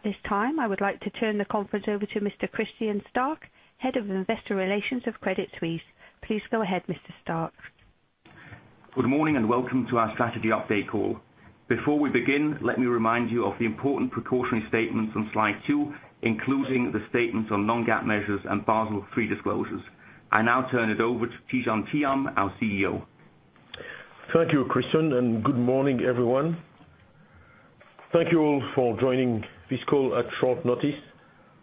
At this time, I would like to turn the conference over to Mr. Christian Stark, Head of Investor Relations of Credit Suisse. Please go ahead, Mr. Stark. Good morning, welcome to our strategy update call. Before we begin, let me remind you of the important precautionary statements on slide two, including the statements on non-GAAP measures and Basel III disclosures. I now turn it over to Tidjane Thiam, our CEO. Thank you, Christian, good morning, everyone. Thank you all for joining this call at short notice.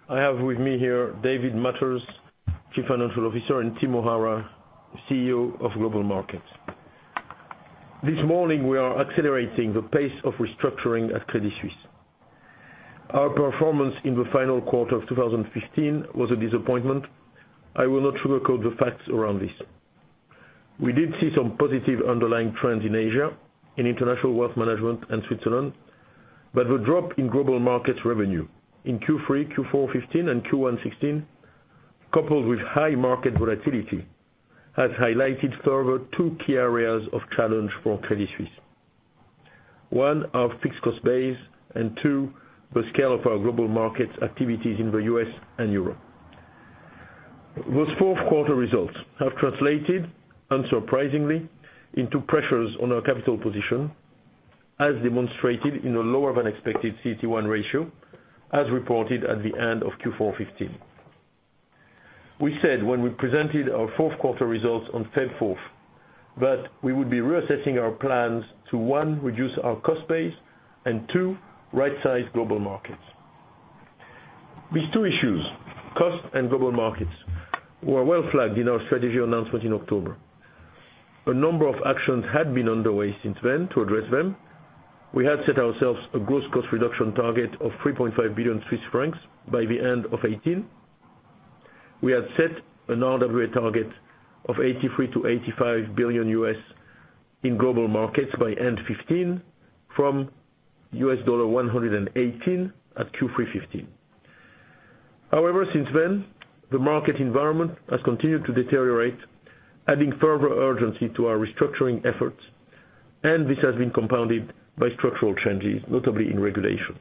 I have with me here David Mathers, Chief Financial Officer, and Tim O'Hara, CEO of Global Markets. This morning, we are accelerating the pace of restructuring at Credit Suisse. Our performance in the final quarter of 2015 was a disappointment. I will not sugarcoat the facts around this. We did see some positive underlying trends in Asia, in international wealth management and Switzerland, but the drop in Global Markets revenue in Q3, Q4 2015, and Q1 2016, coupled with high market volatility, has highlighted further two key areas of challenge for Credit Suisse. One, our fixed cost base, and two, the scale of our Global Markets activities in the U.S. and Europe. Those fourth quarter results have translated, unsurprisingly, into pressures on our capital position, as demonstrated in a lower-than-expected CET1 ratio, as reported at the end of Q4 2015. We said when we presented our fourth quarter results on February 4th that we would be reassessing our plans to, one, reduce our cost base and, two, rightsize Global Markets. These two issues, cost and Global Markets, were well flagged in our strategy announcement in October. A number of actions had been underway since then to address them. We had set ourselves a gross cost reduction target of 3.5 billion Swiss francs by the end of 2018. We had set an RWA target of $83 billion-$85 billion in Global Markets by end 2015 from $118 at Q3 2015. Since then, the market environment has continued to deteriorate, adding further urgency to our restructuring efforts, and this has been compounded by structural changes, notably in regulation.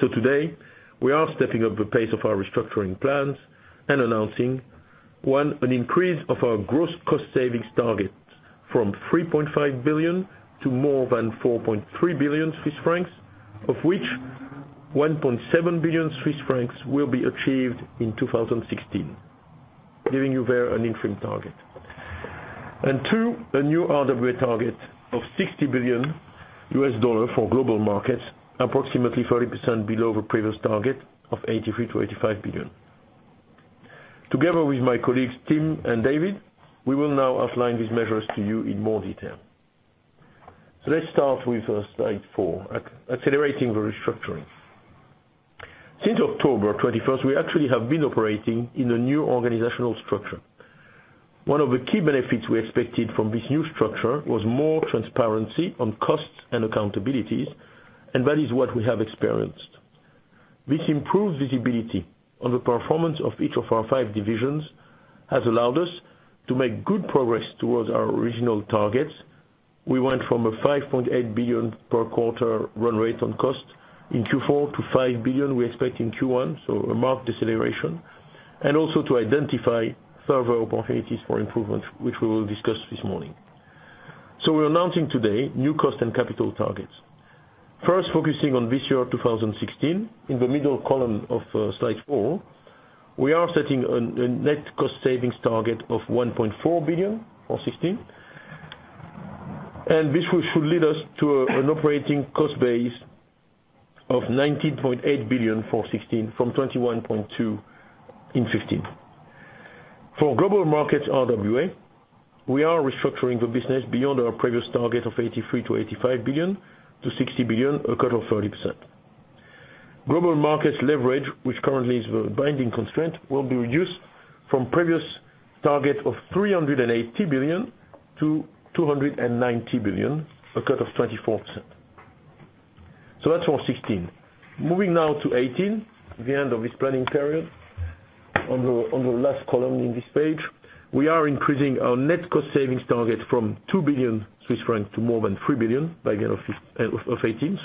Today, we are stepping up the pace of our restructuring plans and announcing, 1, an increase of our gross cost savings target from 3.5 billion to more than 4.3 billion Swiss francs, of which 1.7 billion Swiss francs will be achieved in 2016, giving you there an interim target. 2, a new RWA target of $60 billion for Global Markets, approximately 30% below the previous target of $83 billion-$85 billion. Together with my colleagues Tim and David, we will now outline these measures to you in more detail. Let's start with slide four, accelerating the restructuring. Since October 21st, we actually have been operating in a new organizational structure. One of the key benefits we expected from this new structure was more transparency on costs and accountabilities. That is what we have experienced. This improved visibility on the performance of each of our five divisions has allowed us to make good progress towards our original targets. We went from a 5.8 billion per quarter run rate on cost in Q4 to 5 billion we expect in Q1. A marked deceleration, also to identify further opportunities for improvement, which we will discuss this morning. We are announcing today new cost and capital targets. First, focusing on this year, 2016, in the middle column of slide four, we are setting a net cost savings target of 1.4 billion for 2016. This one should lead us to an operating cost base of 19.8 billion for 2016 from 21.2 billion in 2015. For Global Markets RWA, we are restructuring the business beyond our previous target of $83 billion-$85 billion to $60 billion, a cut of 30%. Global Markets leverage, which currently is the binding constraint, will be reduced from previous target of 380 billion to 290 billion, a cut of 24%. That is for 2016. Moving now to 2018, the end of this planning period, on the last column in this page. We are increasing our net cost savings target from 2 billion Swiss francs to more than 3 billion by end of 2018.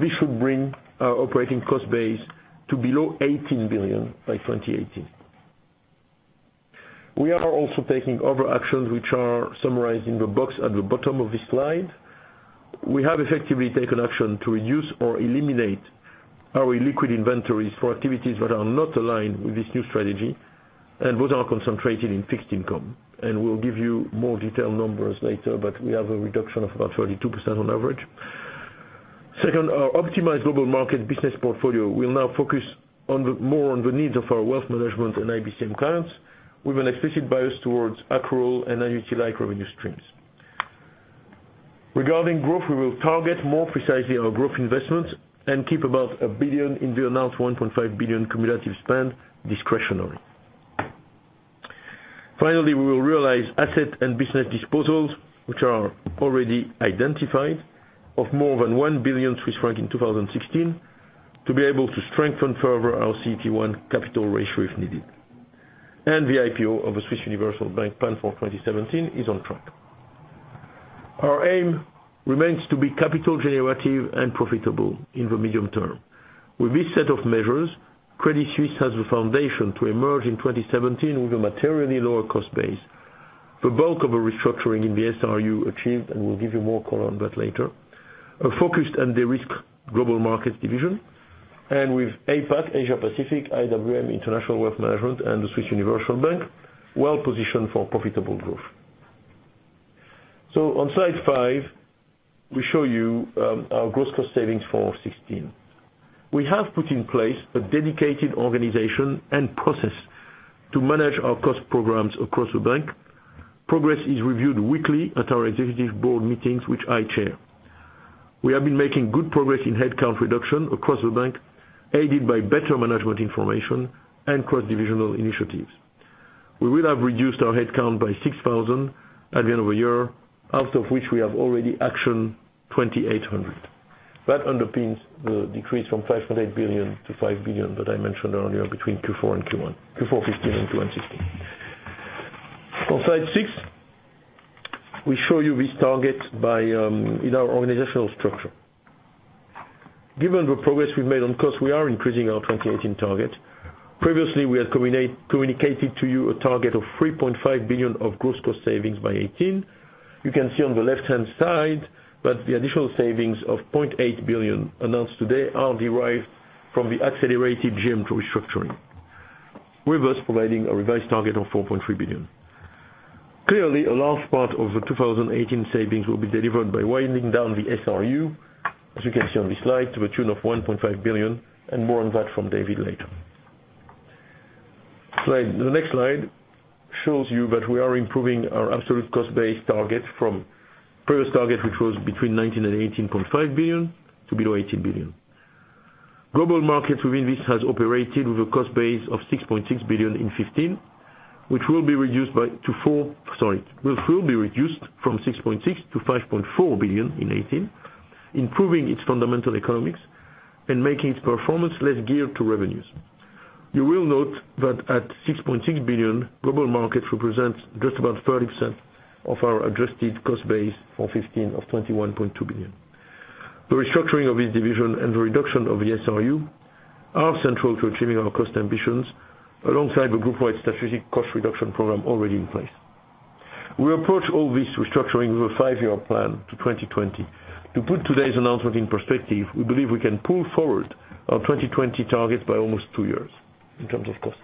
This should bring our operating cost base to below 18 billion by 2018. We are also taking other actions, which are summarized in the box at the bottom of this slide. We have effectively taken action to reduce or eliminate our illiquid inventories for activities that are not aligned with this new strategy and those are concentrated in fixed income. We will give you more detailed numbers later, but we have a reduction of about 32% on average. Second, our optimized Global Markets business portfolio will now focus more on the needs of our wealth management and IBCM clients, with an explicit bias towards accrual and NII-like revenue streams. Regarding growth, we will target more precisely our growth investments and keep above 1 billion in the announced 1.5 billion cumulative spend discretionary. Finally, we will realize asset and business disposals, which are already identified, of more than 1 billion Swiss francs in 2016, to be able to strengthen further our CET1 capital ratio if needed. The IPO of the Swiss Universal Bank planned for 2017 is on track. Our aim remains to be capital generative and profitable in the medium term. With this set of measures, Credit Suisse has the foundation to emerge in 2017 with a materially lower cost base. The bulk of a restructuring in the SRU achieved, and we will give you more color on that later. A focused and de-risked Global Markets division, and with APAC, Asia Pacific, IWM, International Wealth Management, and the Swiss Universal Bank, well positioned for profitable growth. On slide five, we show you our gross cost savings for 2016. We have put in place a dedicated organization and process to manage our cost programs across the bank. Progress is reviewed weekly at our executive board meetings, which I chair. We have been making good progress in headcount reduction across the bank, aided by better management information and cross-divisional initiatives. We will have reduced our headcount by 6,000 at the end of the year, out of which we have already actioned 2,800. That underpins the decrease from 5.8 billion to 5 billion that I mentioned earlier, between Q4 2015 and Q1 2016. On slide six, we show you this target in our organizational structure. Given the progress we have made on cost, we are increasing our 2018 target. Previously, we had communicated to you a target of 3.5 billion of gross cost savings by 2018. You can see on the left-hand side that the additional savings of 0.8 billion announced today are derived from the accelerated GM restructuring. We are, thus, providing a revised target of 4.3 billion. Clearly, a large part of the 2018 savings will be delivered by winding down the SRU, as you can see on this slide, to the tune of 1.5 billion, and more on that from David later. The next slide shows you that we are improving our absolute cost base target from previous target, which was between 19 billion and 18.5 billion, to below 18 billion. Global Markets within this has operated with a cost base of 6.6 billion in 2015, which will be reduced from 6.6 billion to 5.4 billion in 2018, improving its fundamental economics and making its performance less geared to revenues. You will note that at 6.6 billion, Global Markets represents just about 30% of our adjusted cost base for 2015 of 21.2 billion. The restructuring of this division and the reduction of the SRU are central to achieving our cost ambitions, alongside the groupwide strategic cost reduction program already in place. We approach all this restructuring with a five-year plan to 2020. To put today's announcement in perspective, we believe we can pull forward our 2020 targets by almost two years in terms of cost.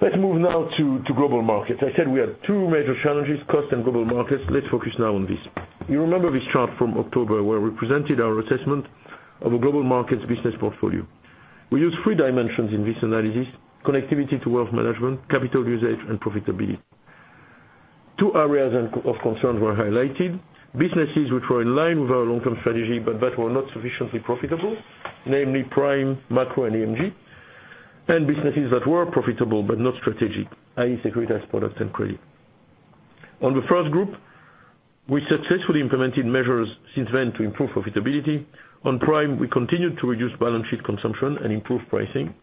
Let's move now to Global Markets. I said we have two major challenges, cost and Global Markets. Let's focus now on this. You remember this chart from October, where we presented our assessment of a Global Markets business portfolio. We used three dimensions in this analysis, connectivity to wealth management, capital usage, and profitability. Two areas of concerns were highlighted. Businesses which were in line with our long-term strategy, but that were not sufficiently profitable, namely prime, macro, and EMG, and businesses that were profitable but not strategic, i.e. securitized products and credit. On the first group, we successfully implemented measures since then to improve profitability. On prime, we continued to reduce balance sheet consumption and improve pricing.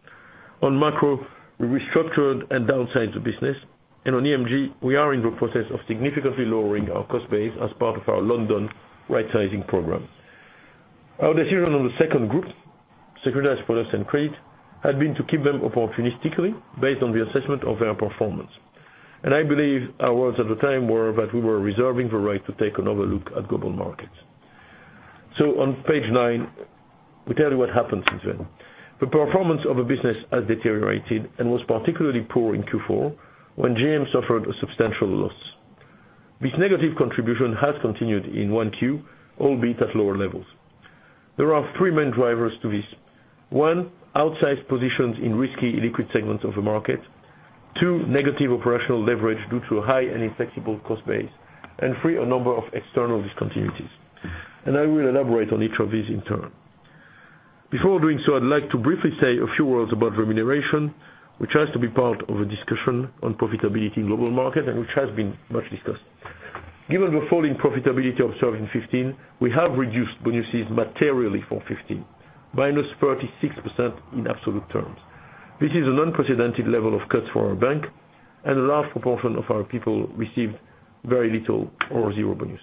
On macro, we restructured and downsized the business, and on EMG, we are in the process of significantly lowering our cost base as part of our London right sizing program. Our decision on the second group, securitized products and credit, had been to keep them opportunistically based on the assessment of their performance. I believe our words at the time were that we were reserving the right to take another look at Global Markets. On page nine, we tell you what happened since then. The performance of the business has deteriorated and was particularly poor in Q4, when GM suffered a substantial loss. This negative contribution has continued in 1Q, albeit at lower levels. There are three main drivers to this. One, outsized positions in risky illiquid segments of the market. Two, negative operational leverage due to a high and inflexible cost base. Three, a number of external discontinuities. I will elaborate on each of these in turn. Before doing so, I'd like to briefly say a few words about remuneration, which has to be part of a discussion on profitability in Global Markets and which has been much discussed. Given the fall in profitability observed in 2015, we have reduced bonuses materially for 2015, by minus 36% in absolute terms. This is an unprecedented level of cuts for our bank, a large proportion of our people received very little or zero bonus.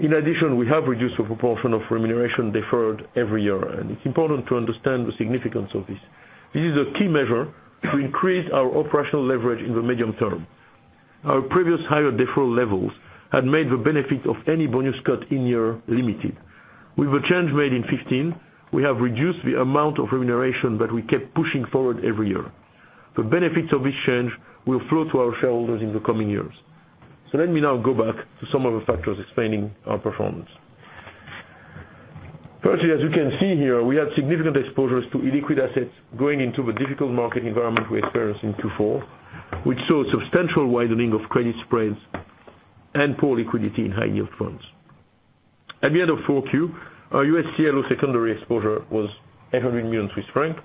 In addition, we have reduced the proportion of remuneration deferred every year, it's important to understand the significance of this. This is a key measure to increase our operational leverage in the medium term. Our previous higher deferral levels had made the benefit of any bonus cut in year limited. With the change made in 2015, we have reduced the amount of remuneration that we kept pushing forward every year. The benefits of this change will flow to our shareholders in the coming years. Let me now go back to some of the factors explaining our performance. Firstly, as you can see here, we had significant exposures to illiquid assets going into the difficult market environment we experienced in Q4, which saw substantial widening of credit spreads and poor liquidity in high yield funds. At the end of 4Q, our U.S. CLO secondary exposure was 800 million Swiss francs,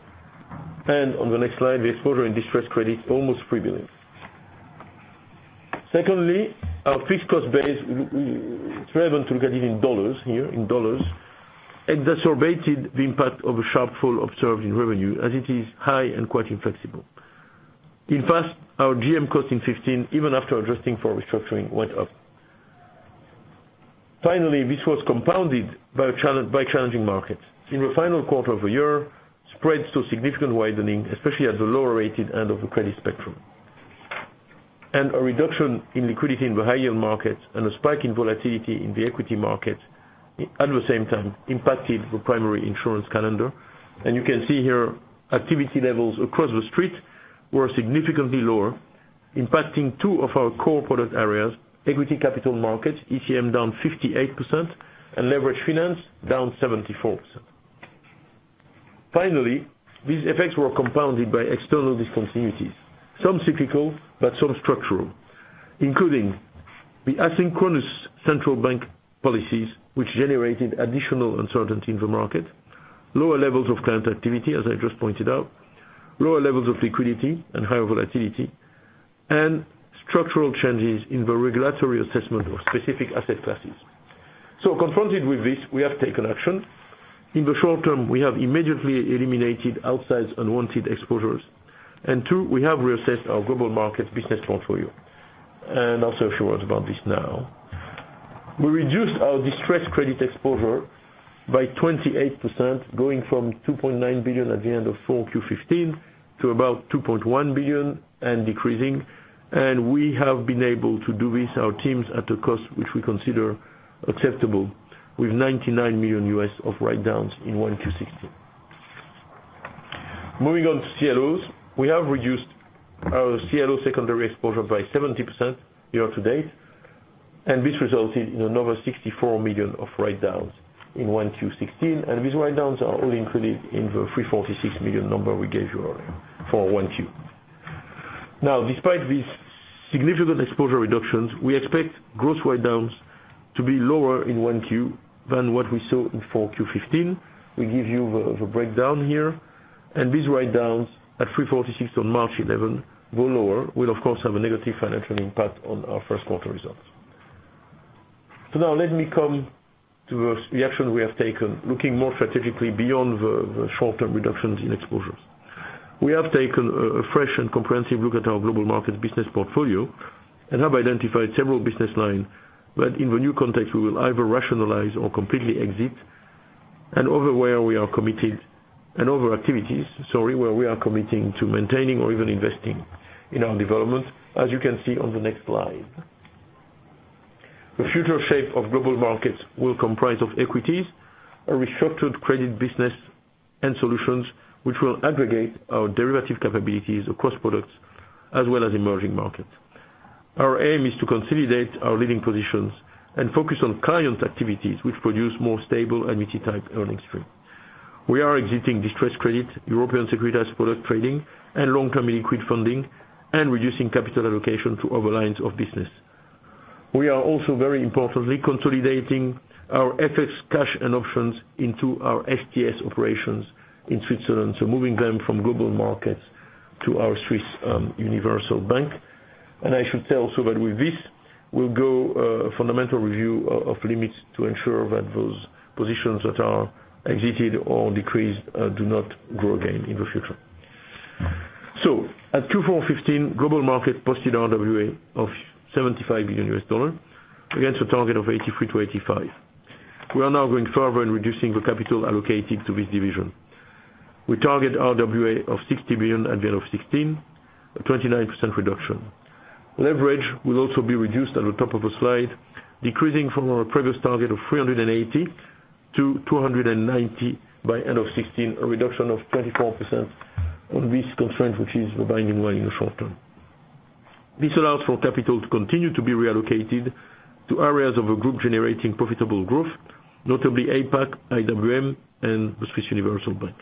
on the next slide, the exposure in distressed credit, almost 3 billion. Secondly, our fixed cost base, it's relevant to look at it in U.S. dollars here. Exacerbated the impact of a sharp fall observed in revenue, as it is high and quite inflexible. In fact, our GM cost in 2015, even after adjusting for restructuring, went up. Finally, this was compounded by challenging markets. In the final quarter of the year, spreads saw significant widening, especially at the lower rated end of the credit spectrum. A reduction in liquidity in the high-yield markets and a spike in volatility in the equity markets, at the same time impacted the primary issuance calendar. You can see here, activity levels across the street were significantly lower, impacting two of our core product areas, ECM, down 58%, and leverage finance, down 74%. Finally, these effects were compounded by external discontinuities, some cyclical, but some structural, including the asynchronous central bank policies, which generated additional uncertainty in the market, lower levels of client activity, as I just pointed out, lower levels of liquidity and higher volatility, and structural changes in the regulatory assessment of specific asset classes. Confronted with this, we have taken action. In the short term, we have immediately eliminated outsized unwanted exposures. 2, we have reassessed our Global Markets business portfolio. I will say a few words about this now. We reduced our distressed credit exposure by 28%, going from 2.9 billion at the end of 4Q15 to about 2.1 billion and decreasing. We have been able to do this, our teams, at a cost which we consider acceptable, with $99 million of write-downs in 1Q16. Moving on to CLOs, we have reduced our CLO secondary exposure by 70% year to date, and this resulted in another 64 million of write-downs in 1Q16. These write-downs are all included in the 346 million number we gave you earlier for 1Q. Now, despite these significant exposure reductions, we expect gross write-downs to be lower in 1Q than what we saw in 4Q15. We give you the breakdown here. These write-downs at 346 million on March 11 go lower, will of course have a negative financial impact on our first quarter results. Now let me come to the action we have taken, looking more strategically beyond the short-term reductions in exposures. We have taken a fresh and comprehensive look at our Global Markets business portfolio and have identified several business lines that in the new context, we will either rationalize or completely exit, and other where we are committed. Other activities where we are committing to maintaining or even investing in our development, as you can see on the next slide. The future shape of Global Markets will comprise of equities, a restructured credit business, and solutions which will aggregate our derivative capabilities across products, as well as emerging markets. Our aim is to consolidate our leading positions and focus on client activities which produce more stable and return type earning stream. We are exiting distressed credit, European securitized product trading, and long-term illiquid funding, and reducing capital allocation to other lines of business. We are also, very importantly, consolidating our FX cash and options into our STS operations in Switzerland. Moving them from Global Markets to our Swiss Universal Bank. I should tell also that with this will go a fundamental review of limits to ensure that those positions that are exited or decreased, do not grow again in the future. At Q4 '15, Global Markets posted RWA of $75 billion against a target of $83 billion to $85 billion. We are now going further in reducing the capital allocated to this division. We target RWA of $60 billion at the end of 2016, a 29% reduction. Leverage will also be reduced at the top of a slide, decreasing from our previous target of 380 to 290 by end of 2016, a reduction of 24% on risk constraint, which is binding well in the short term. This allows for capital to continue to be reallocated to areas of a group generating profitable growth, notably APAC, IWM, and the Swiss Universal Bank.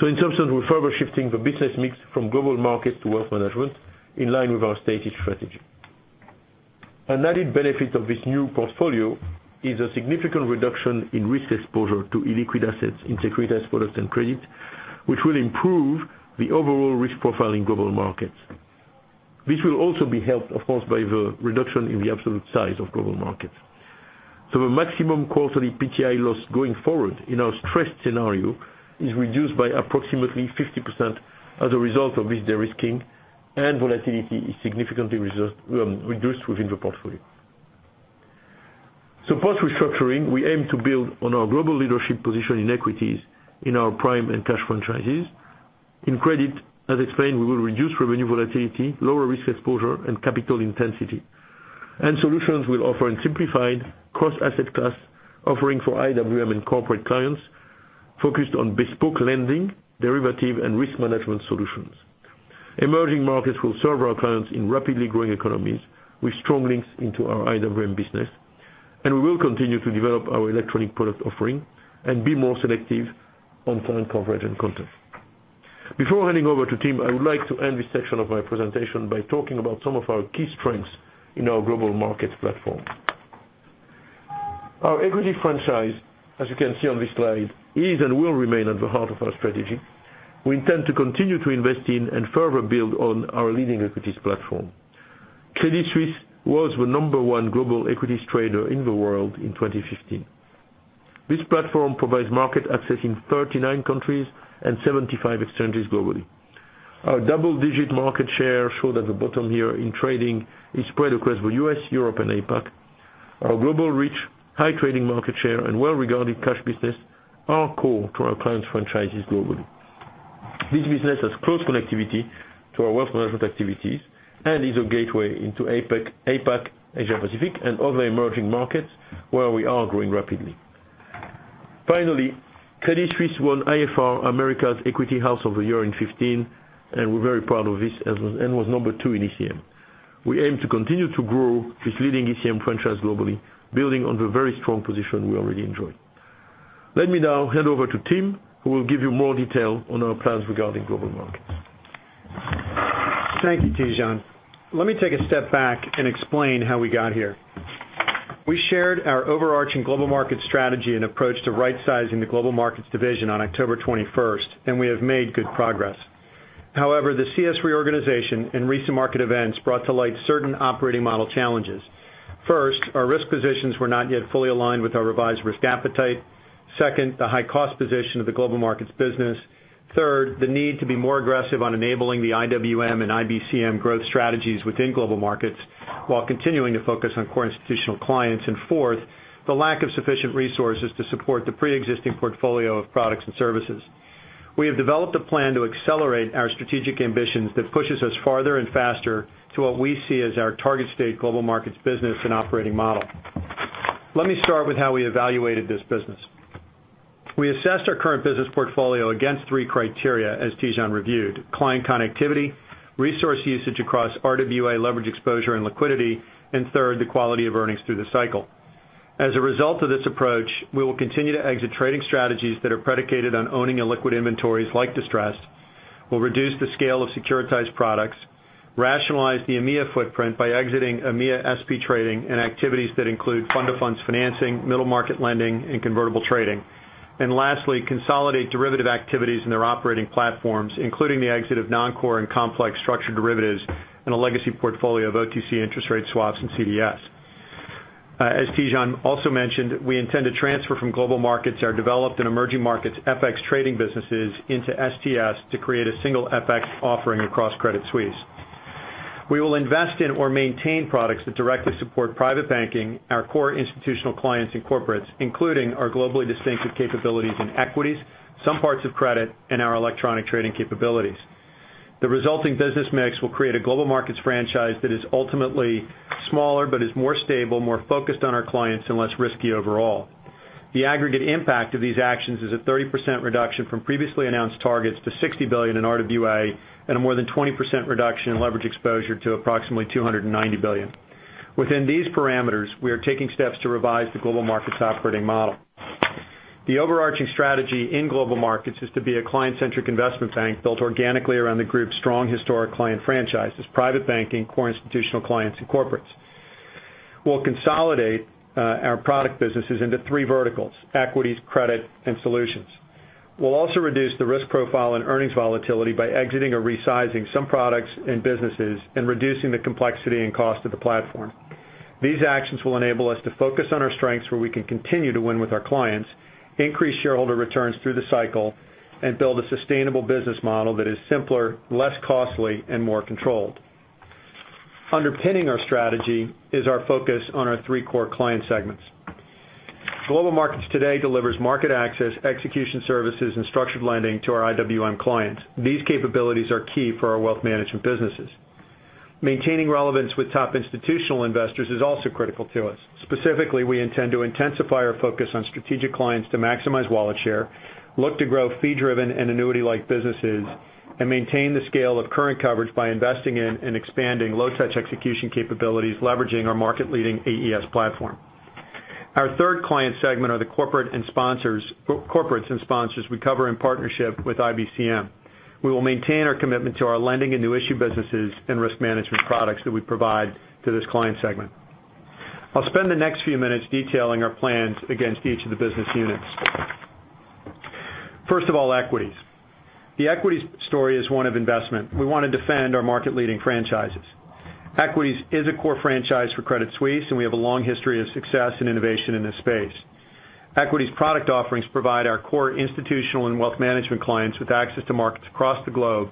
In substance, we're further shifting the business mix from Global Markets to wealth management in line with our stated strategy. An added benefit of this new portfolio is a significant reduction in risk exposure to illiquid assets in securitized products and credits, which will improve the overall risk profile in Global Markets. This will also be helped, of course, by the reduction in the absolute size of Global Markets. The maximum quarterly PTI loss going forward in our stressed scenario is reduced by approximately 50% as a result of this de-risking, and volatility is significantly reduced within the portfolio. Post-restructuring, we aim to build on our global leadership position in equities in our prime and cash franchises. In credit, as explained, we will reduce revenue volatility, lower risk exposure, and capital intensity. Solutions will offer a simplified cross-asset class offering for IWM and corporate clients focused on bespoke lending, derivative, and risk management solutions. Emerging Markets will serve our clients in rapidly growing economies with strong links into our IWM business. We will continue to develop our electronic product offering and be more selective on client coverage and content. Before handing over to Tim, I would like to end this section of my presentation by talking about some of our key strengths in our Global Markets platform. Our equity franchise, as you can see on this slide, is and will remain at the heart of our strategy. We intend to continue to invest in and further build on our leading equities platform. Credit Suisse was the number one global equities trader in the world in 2015. This platform provides market access in 39 countries and 75 exchanges globally. Our double-digit market share, showed at the bottom here in trading, is spread across the U.S., Europe, and APAC. Our global reach, high trading market share, and well-regarded cash business are core to our clients' franchises globally. This business has close connectivity to our wealth management activities and is a gateway into APAC, Asia-Pacific, and other Emerging Markets where we are growing rapidly. Finally, Credit Suisse won IFR Americas Equity House of the Year in 2015, and we're very proud of this, and was number two in ECM. We aim to continue to grow this leading ECM franchise globally, building on the very strong position we already enjoy. Let me now hand over to Tim, who will give you more detail on our plans regarding Global Markets. Thank you, Tidjane. Let me take a step back and explain how we got here. We shared our overarching global market strategy and approach to rightsizing the Global Markets division on October 21st, and we have made good progress. However, the CS reorganization and recent market events brought to light certain operating model challenges. First, our risk positions were not yet fully aligned with our revised risk appetite. Second, the high cost position of the Global Markets business. Third, the need to be more aggressive on enabling the IWM and IBCM growth strategies within Global Markets while continuing to focus on core institutional clients. Fourth, the lack of sufficient resources to support the preexisting portfolio of products and services. We have developed a plan to accelerate our strategic ambitions that pushes us farther and faster to what we see as our target state Global Markets business and operating model. Let me start with how we evaluated this business. We assessed our current business portfolio against three criteria as Tidjane reviewed, client connectivity, resource usage across RWA leverage exposure and liquidity, and third, the quality of earnings through the cycle. As a result of this approach, we will continue to exit trading strategies that are predicated on owning illiquid inventories like distressed. We'll reduce the scale of securitized products, rationalize the EMEA footprint by exiting EMEA SP trading and activities that include fund-to-funds financing, middle market lending, and convertible trading. Lastly, consolidate derivative activities in their operating platforms, including the exit of non-core and complex structured derivatives and a legacy portfolio of OTC interest rate swaps and CDS. As Tidjane also mentioned, we intend to transfer from Global Markets our developed and emerging markets FX trading businesses into STS to create a single FX offering across Credit Suisse. We will invest in or maintain products that directly support Private Banking, our core institutional clients and corporates, including our globally distinctive capabilities in equities, some parts of credit, and our electronic trading capabilities. The resulting business mix will create a Global Markets franchise that is ultimately smaller but is more stable, more focused on our clients, and less risky overall. The aggregate impact of these actions is a 30% reduction from previously announced targets to $60 billion in RWA and a more than 20% reduction in leverage exposure to approximately $290 billion. Within these parameters, we are taking steps to revise the Global Markets operating model. The overarching strategy in Global Markets is to be a client-centric investment bank built organically around the group's strong historic client franchises, Private Banking, core institutional clients, and corporates. We'll consolidate our product businesses into 3 verticals, equities, credit, and solutions. We'll also reduce the risk profile and earnings volatility by exiting or resizing some products and businesses and reducing the complexity and cost of the platform. These actions will enable us to focus on our strengths where we can continue to win with our clients, increase shareholder returns through the cycle, and build a sustainable business model that is simpler, less costly, and more controlled. Underpinning our strategy is our focus on our three core client segments. Global Markets today delivers market access, execution services, and structured lending to our IWM clients. These capabilities are key for our Wealth Management businesses. Maintaining relevance with top institutional investors is also critical to us. Specifically, we intend to intensify our focus on strategic clients to maximize wallet share, look to grow fee-driven and annuity-like businesses, and maintain the scale of current coverage by investing in and expanding low-touch execution capabilities, leveraging our market-leading AES platform. Our third client segment are the corporates and sponsors we cover in partnership with IBCM. We will maintain our commitment to our lending and new issue businesses and risk management products that we provide to this client segment. I'll spend the next few minutes detailing our plans against each of the business units. First of all, equities. The equities story is one of investment. We want to defend our market-leading franchises. Equities is a core franchise for Credit Suisse, and we have a long history of success and innovation in this space. Equities product offerings provide our core institutional and wealth management clients with access to markets across the globe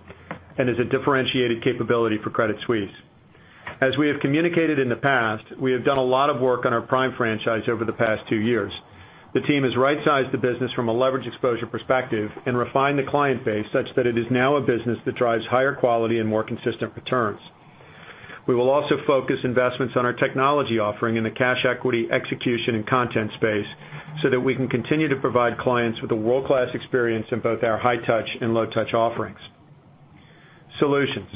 and is a differentiated capability for Credit Suisse. As we have communicated in the past, we have done a lot of work on our prime franchise over the past two years. The team has rightsized the business from a leverage exposure perspective and refined the client base such that it is now a business that drives higher quality and more consistent returns. We will also focus investments on our technology offering in the cash equity execution and content space so that we can continue to provide clients with a world-class experience in both our high-touch and low-touch offerings. Solutions.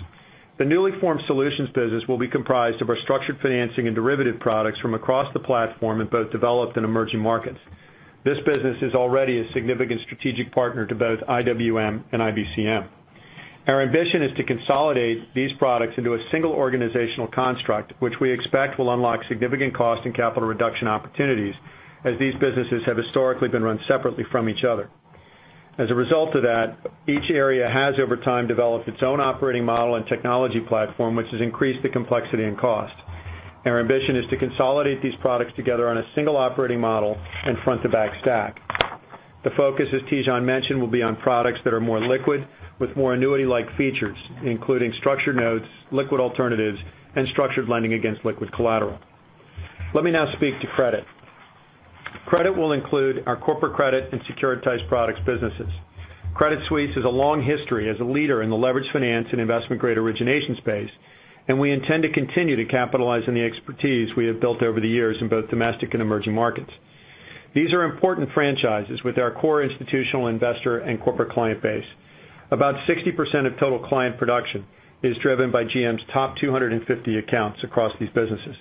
The newly formed solutions business will be comprised of our structured financing and derivative products from across the platform in both developed and emerging markets. This business is already a significant strategic partner to both IWM and IBCM. Our ambition is to consolidate these products into a single organizational construct, which we expect will unlock significant cost and capital reduction opportunities as these businesses have historically been run separately from each other. As a result of that, each area has over time developed its own operating model and technology platform, which has increased the complexity and cost. Our ambition is to consolidate these products together on a single operating model and front-to-back stack. The focus, as Tidjane mentioned, will be on products that are more liquid with more annuity-like features, including structured notes, liquid alternatives, and structured lending against liquid collateral. Let me now speak to credit. Credit will include our corporate credit and securitized products businesses. Credit Suisse has a long history as a leader in the leveraged finance and investment-grade origination space, and we intend to continue to capitalize on the expertise we have built over the years in both domestic and emerging markets. These are important franchises with our core institutional investor and corporate client base. About 60% of total client production is driven by GM's top 250 accounts across these businesses.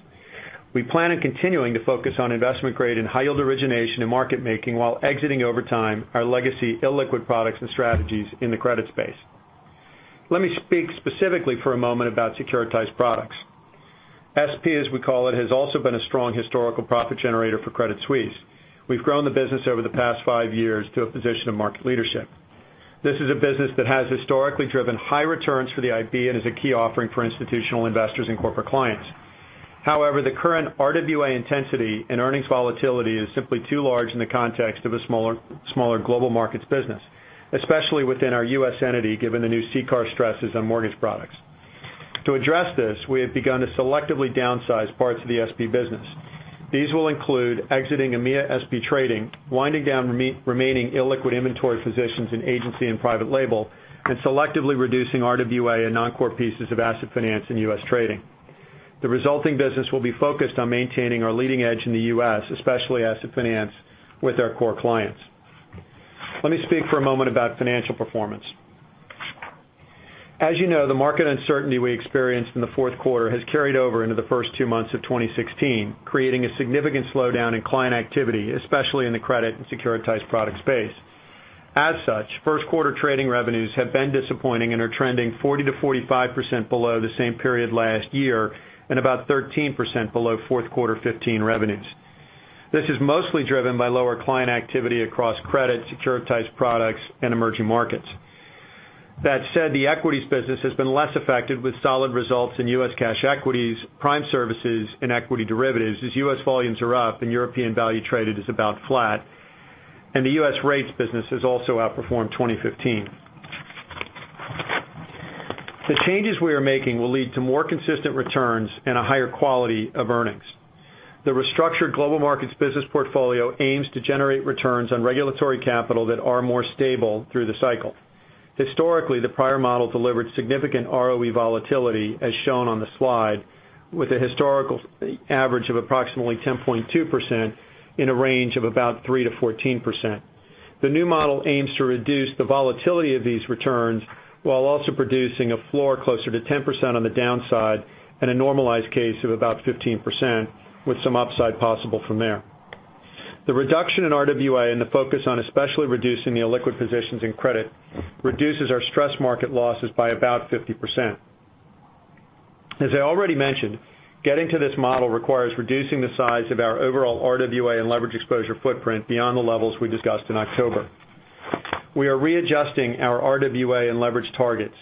We plan on continuing to focus on investment-grade and high-yield origination and market-making while exiting over time our legacy illiquid products and strategies in the credit space. Let me speak specifically for a moment about securitized products. SP, as we call it, has also been a strong historical profit generator for Credit Suisse. We've grown the business over the past five years to a position of market leadership. This is a business that has historically driven high returns for the IB and is a key offering for institutional investors and corporate clients. However, the current RWA intensity and earnings volatility is simply too large in the context of a smaller Global Markets business, especially within our U.S. entity, given the new CCAR stresses on mortgage products. To address this, we have begun to selectively downsize parts of the SP business. These will include exiting EMEA SP trading, winding down remaining illiquid inventory positions in agency and private label, and selectively reducing RWA and non-core pieces of asset finance in U.S. trading. The resulting business will be focused on maintaining our leading edge in the U.S., especially asset finance, with our core clients. Let me speak for a moment about financial performance. As you know, the market uncertainty we experienced in the fourth quarter has carried over into the first two months of 2016, creating a significant slowdown in client activity, especially in the credit and securitized product space. As such, first-quarter trading revenues have been disappointing and are trending 40%-45% below the same period last year and about 13% below fourth quarter 2015 revenues. This is mostly driven by lower client activity across credit, securitized products, and emerging markets. That said, the equities business has been less affected with solid results in U.S. cash equities, prime services, and equity derivatives as U.S. volumes are up and European value traded is about flat. The U.S. rates business has also outperformed 2015. The changes we are making will lead to more consistent returns and a higher quality of earnings. The restructured Global Markets business portfolio aims to generate returns on regulatory capital that are more stable through the cycle. Historically, the prior model delivered significant ROE volatility, as shown on the slide, with a historical average of approximately 10.2% in a range of about 3%-14%. The new model aims to reduce the volatility of these returns while also producing a floor closer to 10% on the downside and a normalized case of about 15%, with some upside possible from there. The reduction in RWA and the focus on especially reducing the illiquid positions in credit reduces our stress market losses by about 50%. As I already mentioned, getting to this model requires reducing the size of our overall RWA and leverage exposure footprint beyond the levels we discussed in October. We are readjusting our RWA and leverage targets,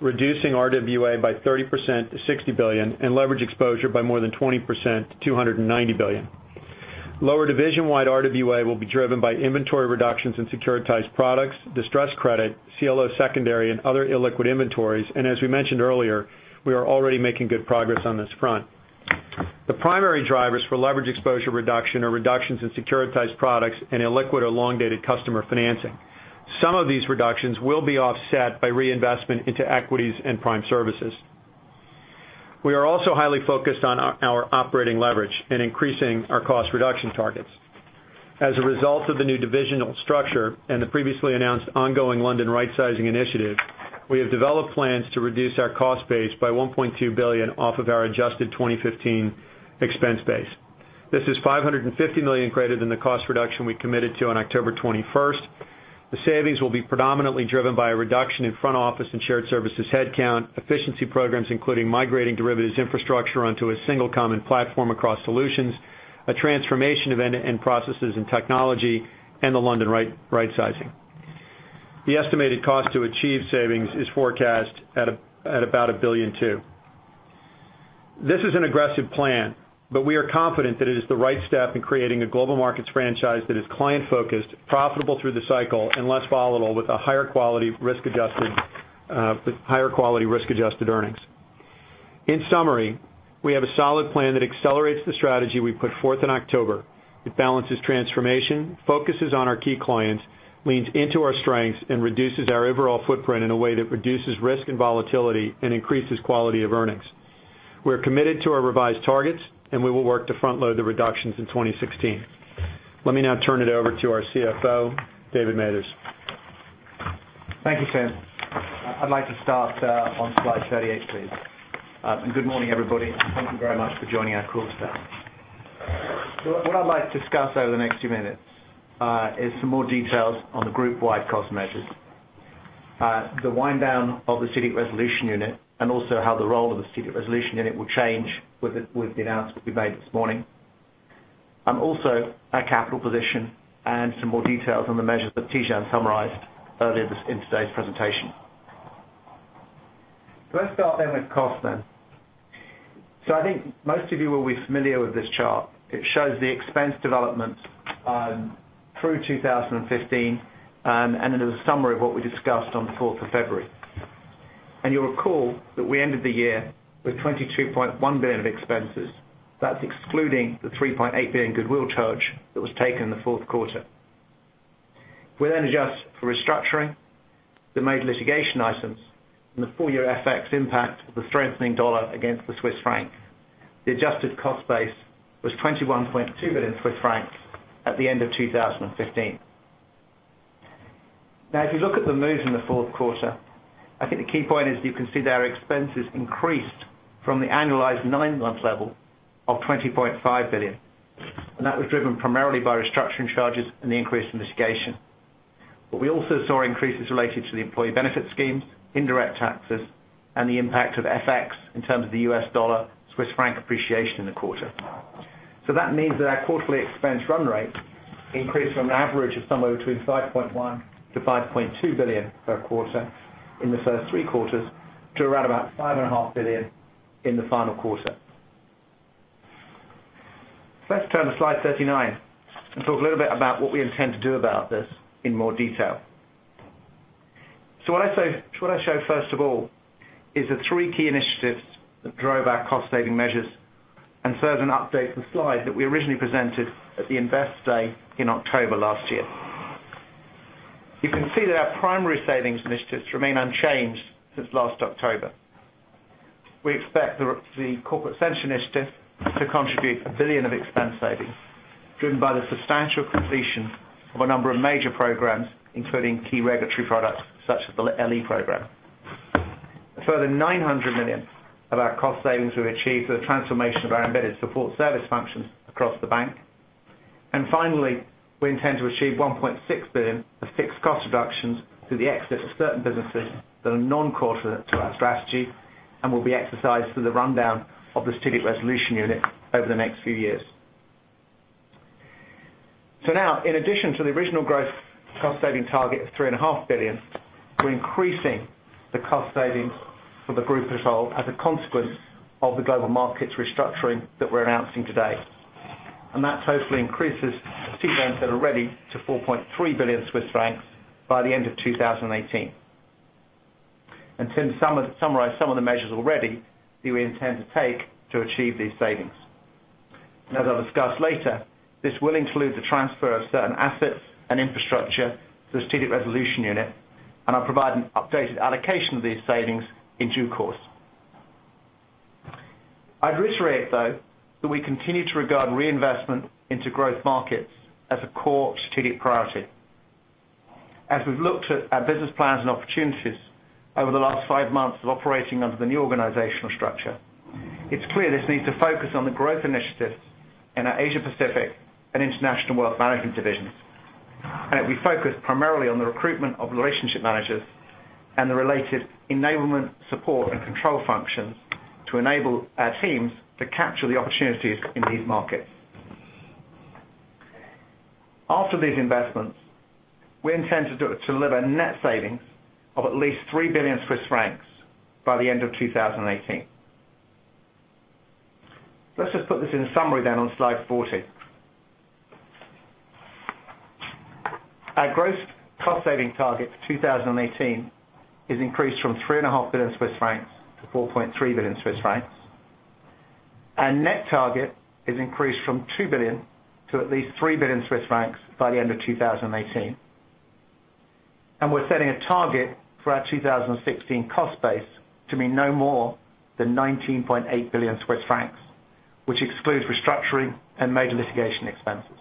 reducing RWA by 30% to 60 billion, and leverage exposure by more than 20% to 290 billion. Lower division-wide RWA will be driven by inventory reductions in securitized products, distressed credit, CLO secondary, and other illiquid inventories. As we mentioned earlier, we are already making good progress on this front. The primary drivers for leverage exposure reduction are reductions in securitized products and illiquid or long-dated customer financing. Some of these reductions will be offset by reinvestment into equities and prime services. We are also highly focused on our operating leverage and increasing our cost reduction targets. As a result of the new divisional structure and the previously announced ongoing London rightsizing initiative, we have developed plans to reduce our cost base by 1.2 billion off of our adjusted 2015 expense base. This is 550 million greater than the cost reduction we committed to on October 21st. The savings will be predominantly driven by a reduction in front office and shared services headcount, efficiency programs, including migrating derivatives infrastructure onto a single common platform across solutions, a transformation of end-to-end processes and technology, and the London rightsizing. The estimated cost to achieve savings is forecast at about 1.2 billion. This is an aggressive plan, but we are confident that it is the right step in creating a Global Markets franchise that is client-focused, profitable through the cycle, and less volatile with higher quality risk-adjusted earnings. In summary, we have a solid plan that accelerates the strategy we put forth in October. It balances transformation, focuses on our key clients, leans into our strengths, and reduces our overall footprint in a way that reduces risk and volatility and increases quality of earnings. We're committed to our revised targets. We will work to front-load the reductions in 2016. Let me now turn it over to our CFO, David Mathers. Thank you, Tim. I'd like to start on slide 38, please. Good morning, everybody, and thank you very much for joining our call today. What I'd like to discuss over the next few minutes is some more details on the group-wide cost measures, the wind-down of the Strategic Resolution Unit, and also how the role of the Strategic Resolution Unit will change with the announcement we made this morning. I'm also our capital position and some more details on the measures that Tidjane summarized earlier in today's presentation. Let's start with cost. I think most of you will be familiar with this chart. It shows the expense developments through 2015. It is a summary of what we discussed on the 4th of February. You'll recall that we ended the year with 22.1 billion of expenses. That's excluding the 3.8 billion goodwill charge that was taken in the fourth quarter. We adjust for restructuring the major litigation items and the full year FX impact of the strengthening dollar against the Swiss franc. The adjusted cost base was 21.2 billion Swiss francs at the end of 2015. If you look at the moves in the fourth quarter, I think the key point is you can see their expenses increased from the annualized nine-month level of 20.5 billion. That was driven primarily by restructuring charges and the increase in litigation. We also saw increases related to the employee benefit schemes, indirect taxes, and the impact of FX in terms of the US dollar, Swiss franc appreciation in the quarter. That means that our quarterly expense run rate increased from an average of somewhere between 5.1 billion to 5.2 billion per quarter in the first three quarters, to around about 5.5 billion in the final quarter. Let's turn to slide 39 and talk a little bit about what we intend to do about this in more detail. What I show, first of all, is the three key initiatives that drove our cost saving measures, and further an update to the slide that we originally presented at the Investor Day in October last year. You can see that our primary savings initiatives remain unchanged since last October. We expect the Corporate Center initiative to contribute 1 billion of expense savings, driven by the substantial completion of a number of major programs, including key regulatory products such as the LE Program. A further 900 million of our cost savings we've achieved through the transformation of our embedded support service functions across the bank. Finally, we intend to achieve 1.6 billion of fixed cost reductions through the exit of certain businesses that are non-core to our strategy and will be exercised through the rundown of the Strategic Resolution Unit over the next few years. Now, in addition to the original gross cost saving target of 3.5 billion, we're increasing the cost savings for the group as a whole as a consequence of the Global Markets restructuring that we're announcing today. That totally increases the savings that are ready to 4.3 billion Swiss francs by the end of 2018. Tim summarized some of the measures already that we intend to take to achieve these savings. Now, as I'll discuss later, this will include the transfer of certain assets and infrastructure to the Strategic Resolution Unit, and I'll provide an updated allocation of these savings in due course. I'd reiterate, though, that we continue to regard reinvestment into growth markets as a core strategic priority. As we've looked at our business plans and opportunities over the last five months of operating under the new organizational structure, it's clear this needs to focus on the growth initiatives in our Asia Pacific and International Wealth Management divisions. We focus primarily on the recruitment of relationship managers and the related enablement, support, and control functions to enable our teams to capture the opportunities in these markets. After these investments, we intend to deliver net savings of at least 3 billion Swiss francs by the end of 2018. Let's just put this in summary then on slide 40. Our gross cost saving target for 2018 is increased from 3.5 billion Swiss francs to 4.3 billion Swiss francs. Our net target is increased from 2 billion to at least 3 billion Swiss francs by the end of 2018. We're setting a target for our 2016 cost base to be no more than 19.8 billion Swiss francs, which excludes restructuring and major litigation expenses.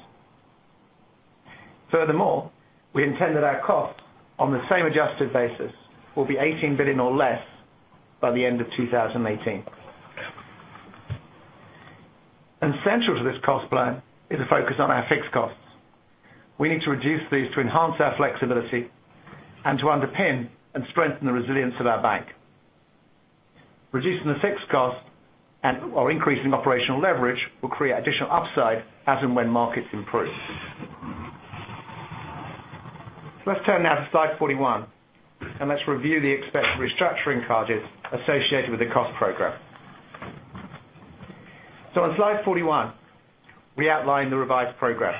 Furthermore, we intend that our cost, on the same adjusted basis, will be 18 billion or less by the end of 2018. Central to this cost plan is a focus on our fixed costs. We need to reduce these to enhance our flexibility and to underpin and strengthen the resilience of our bank. Reducing the fixed cost or increasing operational leverage will create additional upside as and when markets improve. Let's turn now to slide 41, and let's review the expected restructuring charges associated with the cost program. On slide 41, we outline the revised program.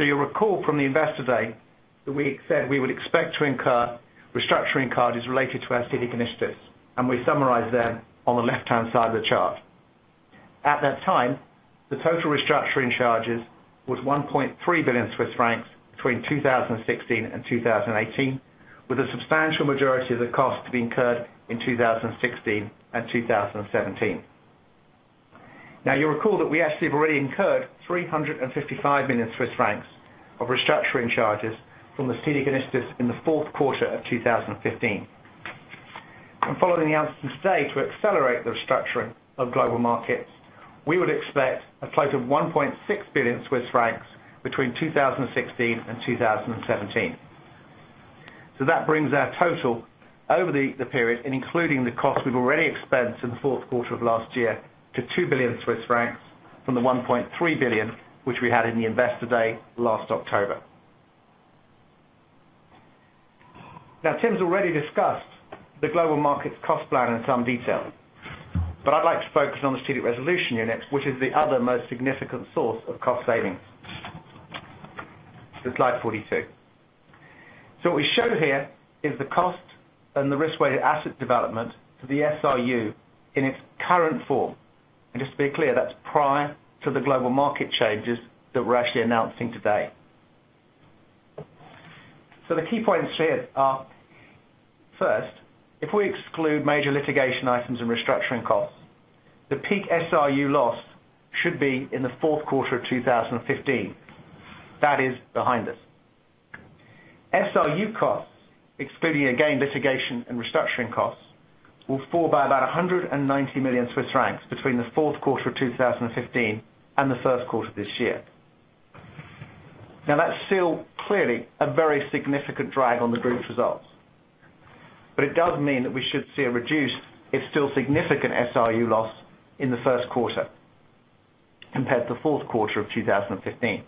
You'll recall from the Investor Day that we said we would expect to incur restructuring charges related to our strategic initiatives, and we summarize them on the left-hand side of the chart. At that time, the total restructuring charges was 1.3 billion Swiss francs between 2016 and 2018, with a substantial majority of the cost to be incurred in 2016 and 2017. You'll recall that we actually have already incurred 355 million Swiss francs of restructuring charges from the strategic initiatives in the fourth quarter of 2015. Following the announcement today to accelerate the restructuring of Global Markets, we would expect a total of 1.6 billion Swiss francs between 2016 and 2017. That brings our total over the period, and including the cost we've already expensed in the fourth quarter of last year, to 2 billion Swiss francs from the 1.3 billion, which we had in the Investor Day last October. Tim's already discussed the Global Markets cost plan in some detail, but I'd like to focus on the Strategic Resolution Unit, which is the other most significant source of cost savings. Slide 42. What we show here is the cost and the risk-weighted asset development for the SRU in its current form. Just to be clear, that's prior to the Global Markets changes that we're actually announcing today. The key points here are, first, if we exclude major litigation items and restructuring costs, the peak SRU loss should be in the fourth quarter of 2015. That is behind us. SRU costs, excluding, again, litigation and restructuring costs, will fall by about 190 million Swiss francs between the fourth quarter of 2015 and the first quarter of this year. That's still clearly a very significant drag on the group's results, but it does mean that we should see a reduced, if still significant, SRU loss in the first quarter compared to the fourth quarter of 2015.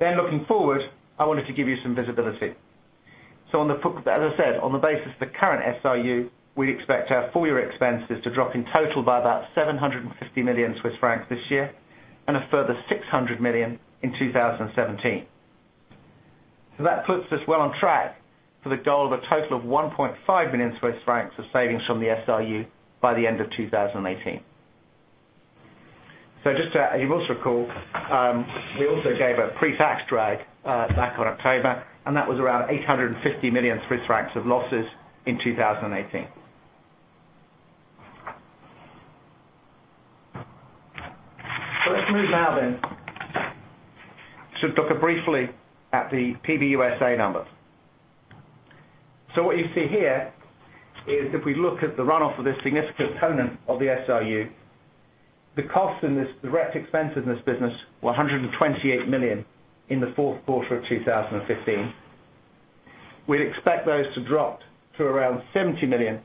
Looking forward, I wanted to give you some visibility. As I said, on the basis of the current SRU, we expect our full-year expenses to drop in total by about 750 million Swiss francs this year and a further 600 million in 2017. That puts us well on track for the goal of a total of 1.5 billion Swiss francs of savings from the SRU by the end of 2018. You'll also recall, we also gave a pre-tax drag back on October, and that was around 850 million Swiss francs of losses in 2018. Let's move now to look briefly at the PBUSA numbers. What you see here is if we look at the run-off of this significant component of the SRU, the cost and this direct expense in this business were 128 million in the fourth quarter of 2015. We'd expect those to drop to around 70 million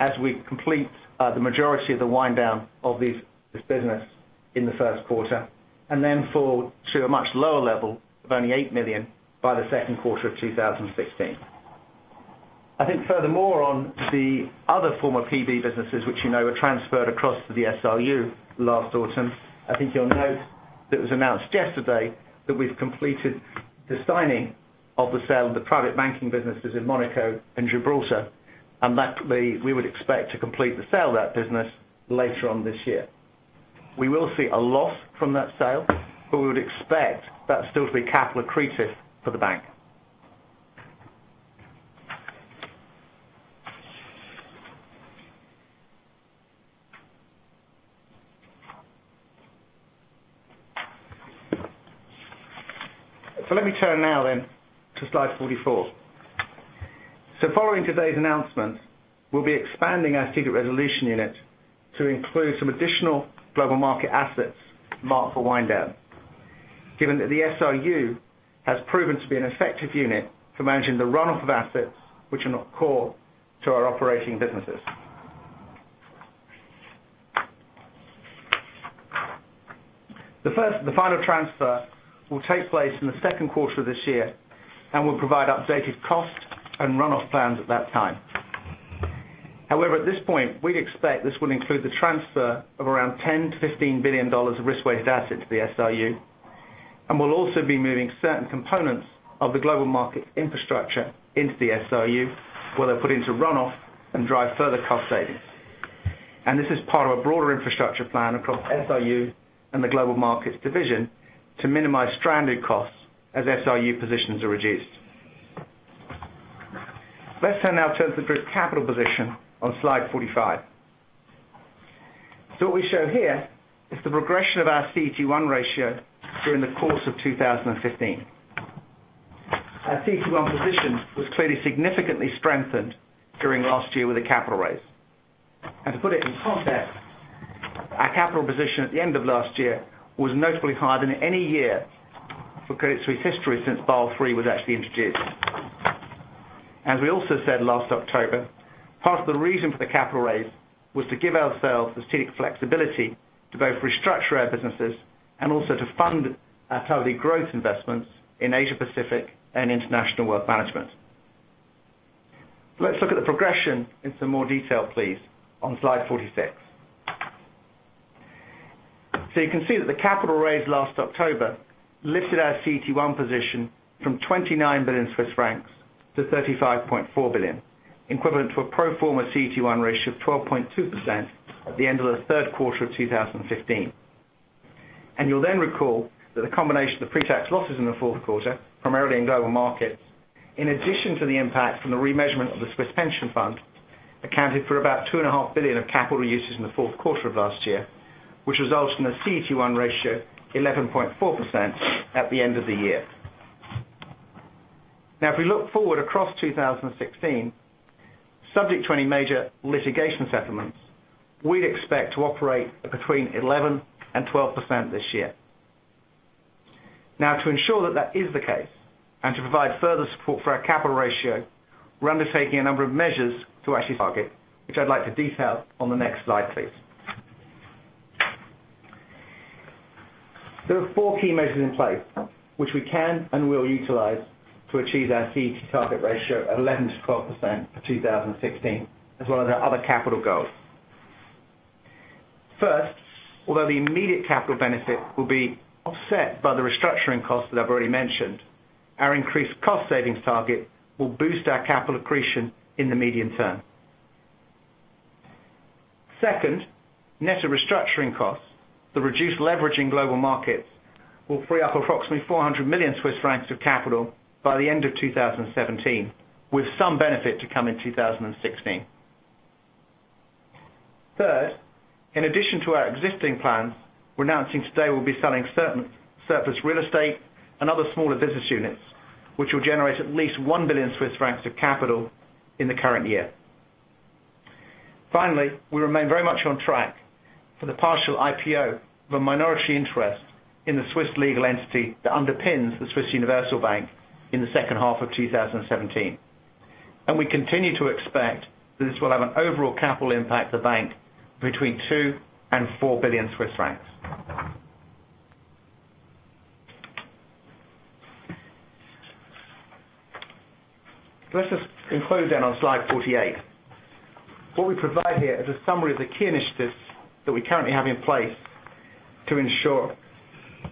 as we complete the majority of the wind down of this business in the first quarter, and then fall to a much lower level of only 8 million by the second quarter of 2016. Furthermore, on the other former PB businesses, which you know were transferred across to the SRU last autumn, you'll note that it was announced yesterday that we've completed the signing of the sale of the private banking businesses in Monaco and Gibraltar, and that we would expect to complete the sale of that business later on this year. We will see a loss from that sale, but we would expect that still to be capital accretive for the bank. Let me turn now then to slide 44. Following today's announcement, we'll be expanding our Strategic Resolution Unit to include some additional global market assets marked for wind down, given that the SRU has proven to be an effective unit for managing the run-off of assets which are not core to our operating businesses. The final transfer will take place in the second quarter of this year and will provide updated cost and run-off plans at that time. However, at this point, we'd expect this will include the transfer of around CHF 10 billion-CHF 15 billion of risk-weighted assets to the SRU, and we'll also be moving certain components of the global market infrastructure into the SRU, where they're put into run-off and drive further cost savings. This is part of a broader infrastructure plan across SRU and the Global Markets division to minimize stranded costs as SRU positions are reduced. Let's turn now to the group's capital position on Slide 45. What we show here is the progression of our CET1 ratio during the course of 2015. Our CET1 position was clearly significantly strengthened during last year with a capital raise. To put it in context, our capital position at the end of last year was notably higher than any year for Credit Suisse history since Basel III was actually introduced. As we also said last October, part of the reason for the capital raise was to give ourselves the strategic flexibility to both restructure our businesses and also to fund our targeted growth investments in Asia-Pacific and International Wealth Management. Let's look at the progression in some more detail, please, on slide 46. You can see that the capital raise last October lifted our CET1 position from 29 billion Swiss francs to 35.4 billion, equivalent to a pro forma CET1 ratio of 12.2% at the end of the third quarter of 2015. You'll then recall that the combination of the pre-tax losses in the fourth quarter, primarily in Global Markets, in addition to the impact from the remeasurement of the Swiss pension fund, accounted for about two and a half billion CHF of capital uses in the fourth quarter of last year, which results in a CET1 ratio 11.4% at the end of the year. If we look forward across 2016 Subject to any major litigation settlements, we'd expect to operate between 11% and 12% this year. To ensure that that is the case, and to provide further support for our capital ratio, we're undertaking a number of measures to actually target, which I'd like to detail on the next slide, please. There are four key measures in place, which we can and will utilize to achieve our CET1 target ratio of 11%-12% for 2016, as well as our other capital goals. First, although the immediate capital benefit will be offset by the restructuring costs that I've already mentioned, our increased cost savings target will boost our capital accretion in the medium term. Second, net of restructuring costs, the reduced leverage in Global Markets will free up approximately 400 million Swiss francs of capital by the end of 2017, with some benefit to come in 2016. Third, in addition to our existing plans, we're announcing today we'll be selling surplus real estate and other smaller business units, which will generate at least 1 billion Swiss francs of capital in the current year. Finally, we remain very much on track for the partial IPO of a minority interest in the Swiss legal entity that underpins the Swiss Universal Bank in the second half of 2017. We continue to expect that this will have an overall capital impact to bank between 2 billion and 4 billion Swiss francs. Let's just conclude then on slide 48. What we provide here is a summary of the key initiatives that we currently have in place to ensure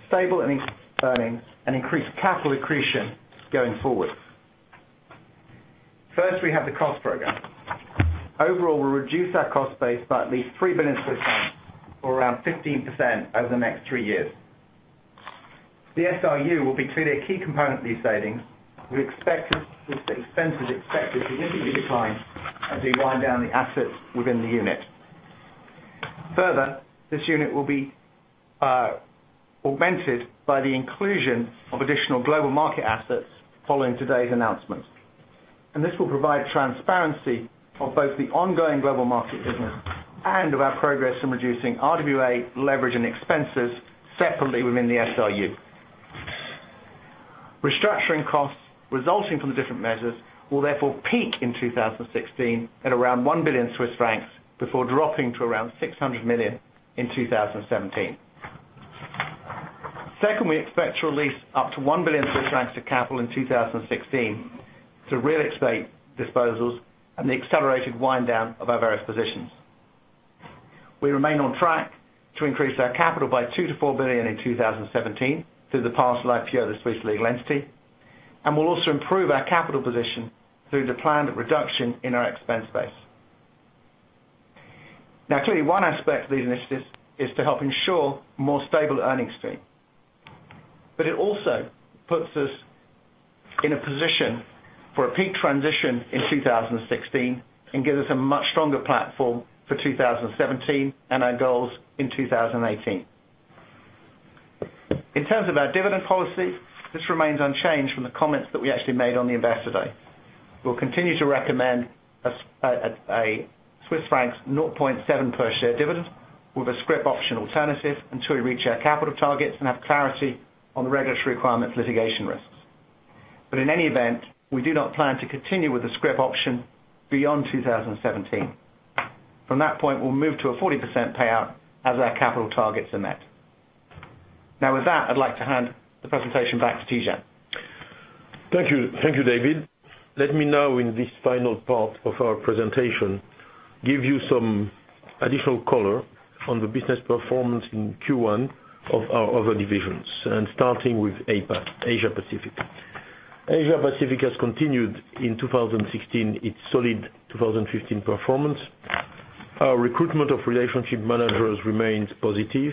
stable and earnings and increased capital accretion going forward. First, we have the cost program. Overall, we'll reduce our cost base by at least 3 billion or around 15% over the next three years. The SRU will be clearly a key component of these savings. We expect expenses to significantly decline as we wind down the assets within the unit. Further, this unit will be augmented by the inclusion of additional Global Markets assets following today's announcements. This will provide transparency of both the ongoing Global Markets business and of our progress in reducing RWA leverage and expenses separately within the SRU. Restructuring costs resulting from the different measures will therefore peak in 2016 at around 1 billion Swiss francs, before dropping to around 600 million in 2017. Second, we expect to release up to 1 billion Swiss francs to capital in 2016 to real estate disposals and the accelerated wind down of our various positions. We remain on track to increase our capital by 2 billion to 4 billion in 2017 through the partial IPO of the Swiss legal entity, and we'll also improve our capital position through the planned reduction in our expense base. Clearly one aspect of these initiatives is to help ensure more stable earnings stream. It also puts us in a position for a peak transition in 2016 and gives us a much stronger platform for 2017 and our goals in 2018. In terms of our dividend policy, this remains unchanged from the comments that we actually made on the Investor Day. We'll continue to recommend a Swiss franc 0.7 per share dividend with a scrip option alternative until we reach our capital targets and have clarity on the regulatory requirements litigation risks. In any event, we do not plan to continue with the scrip option beyond 2017. From that point, we'll move to a 40% payout as our capital targets are met. With that, I'd like to hand the presentation back to Tidjane. Thank you, David. Let me now in this final part of our presentation, give you some additional color on the business performance in Q1 of our other divisions. Starting with APAC, Asia Pacific. Asia Pacific has continued in 2016, its solid 2015 performance. Our recruitment of relationship managers remains positive,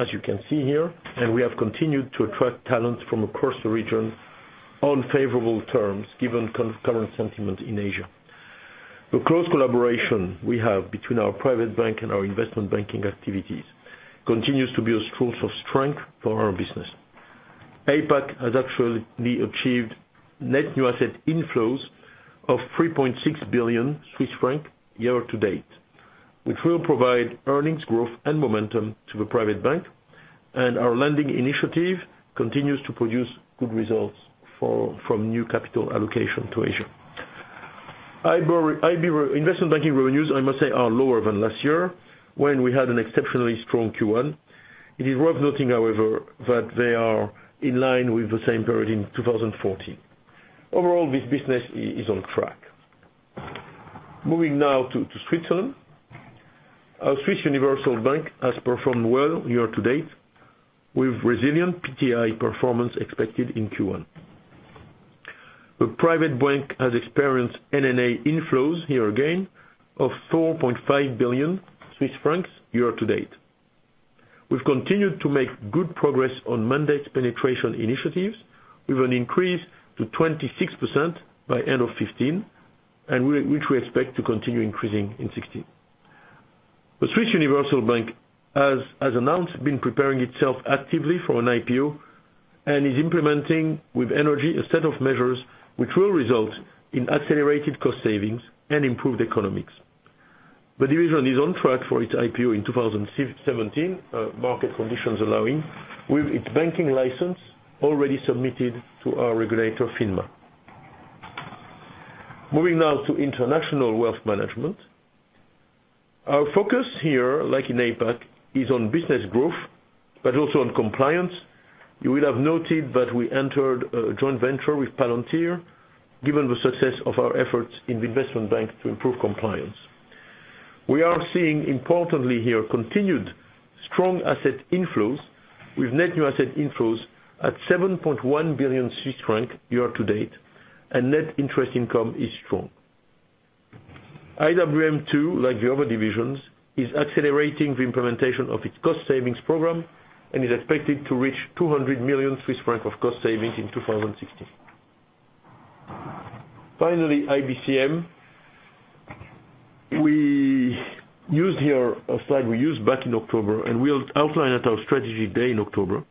as you can see here. We have continued to attract talents from across the region on favorable terms, given current sentiment in Asia. The close collaboration we have between our private bank and our investment banking activities continues to be a source of strength for our business. APAC has actually achieved net new asset inflows of 3.6 billion Swiss francs year to date, which will provide earnings growth and momentum to the private bank. Our lending initiative continues to produce good results from new capital allocation to Asia. Investment banking revenues, I must say, are lower than last year, when we had an exceptionally strong Q1. It is worth noting, however, that they are in line with the same period in 2014. Overall, this business is on track. Moving now to Switzerland. Our Swiss Universal Bank has performed well year to date with resilient PTI performance expected in Q1. The private bank has experienced NNA inflows year again of 4.5 billion Swiss francs year to date. We've continued to make good progress on mandate penetration initiatives with an increase to 26% by end of 2015, which we expect to continue increasing in 2016. The Swiss Universal Bank, as announced, has been preparing itself actively for an IPO, is implementing with energy, a set of measures which will result in accelerated cost savings and improved economics. The division is on track for its IPO in 2017, market conditions allowing, with its banking license already submitted to our regulator, FINMA. Moving now to International Wealth Management. Our focus here, like in APAC, is on business growth, also on compliance. You will have noted that we entered a joint venture with Palantir, given the success of our efforts in the investment bank to improve compliance. We are seeing, importantly here, continued strong asset inflows with net new asset inflows at 7.1 billion Swiss franc year to date. Net interest income is strong. IWM, too, like the other divisions, is accelerating the implementation of its cost savings program and is expected to reach 200 million Swiss francs of cost savings in 2016. Finally, IBCM. We used here a slide we used back in October. We outlined at our strategy day in October,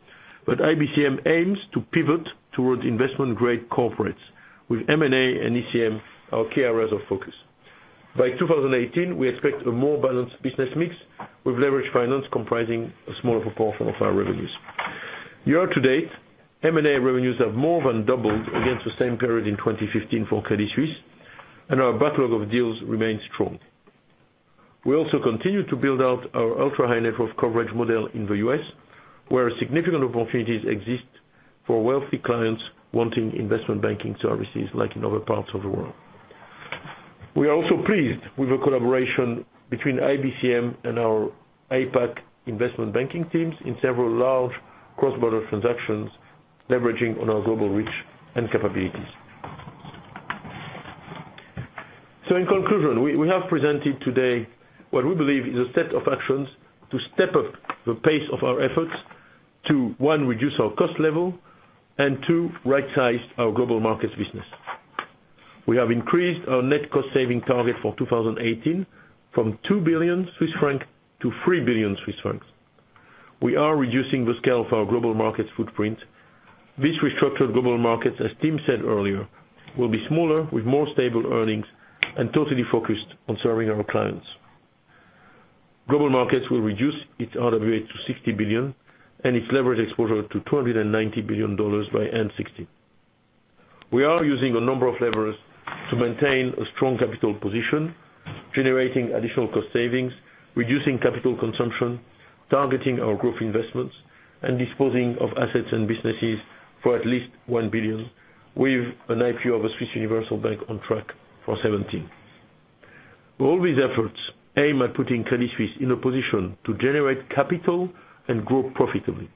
IBCM aims to pivot towards investment-grade corporates with M&A and ECM, our key areas of focus. By 2018, we expect a more balanced business mix, with leveraged finance comprising a smaller proportion of our revenues. Year to date, M&A revenues have more than doubled against the same period in 2015 for Credit Suisse. Our backlog of deals remains strong. Also continue to build out our ultra-high-net-worth coverage model in the U.S., where significant opportunities exist for wealthy clients wanting investment banking services like in other parts of the world. Also pleased with the collaboration between IBCM and our APAC investment banking teams in several large cross-border transactions, leveraging on our global reach and capabilities. In conclusion, we have presented today what we believe is a set of actions to step up the pace of our efforts to, one, reduce our cost level and two, rightsize our Global Markets business. We have increased our net cost-saving target for 2018 from 2 billion Swiss francs to 3 billion Swiss francs. We are reducing the scale of our Global Markets footprint. This restructured Global Markets, as Tim said earlier, will be smaller with more stable earnings and totally focused on serving our clients. Global Markets will reduce its RWA to 60 billion and its leverage exposure to CHF 290 billion by end 2016. We are using a number of levers to maintain a strong capital position, generating additional cost savings, reducing capital consumption, targeting our growth investments, and disposing of assets and businesses for at least 1 billion, with an IPO of a Swiss Universal Bank on track for 2017. All these efforts aim at putting Credit Suisse in a position to generate capital and grow profitably.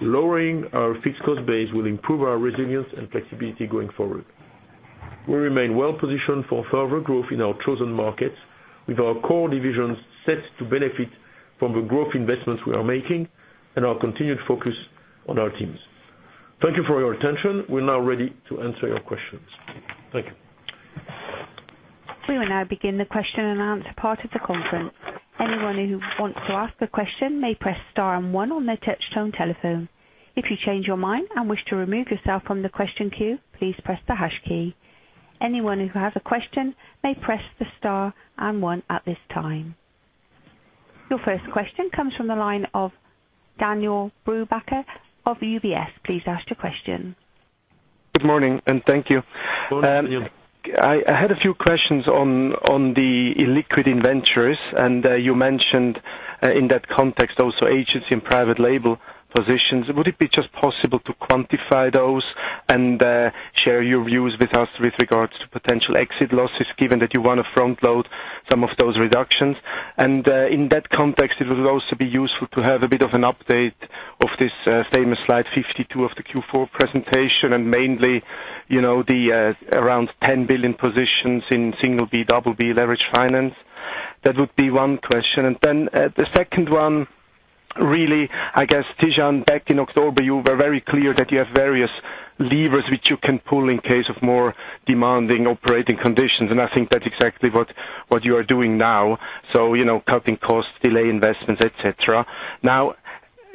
Lowering our fixed cost base will improve our resilience and flexibility going forward. We remain well-positioned for further growth in our chosen markets, with our core divisions set to benefit from the growth investments we are making and our continued focus on our teams. Thank you for your attention. We're now ready to answer your questions. Thank you. We will now begin the question and answer part of the conference. Anyone who wants to ask a question may press star and one on their touch-tone telephone. If you change your mind and wish to remove yourself from the question queue, please press the hash key. Anyone who has a question may press the star and one at this time. Your first question comes from the line of Daniele Brupbacher of UBS. Please ask your question. Good morning. Thank you. Good morning, Daniele. I had a few questions on the illiquid inventories, you mentioned in that context also agency and private label positions. Would it be just possible to quantify those and share your views with us with regards to potential exit losses, given that you want to front-load some of those reductions? In that context, it would also be useful to have a bit of an update of this famous slide 52 of the Q4 presentation, mainly the around 10 billion positions in single B, double B leveraged finance. That would be one question. The second one, really, I guess, Tidjane, back in October, you were very clear that you have various levers which you can pull in case of more demanding operating conditions. I think that's exactly what you are doing now. Cutting costs, delay investments, et cetera.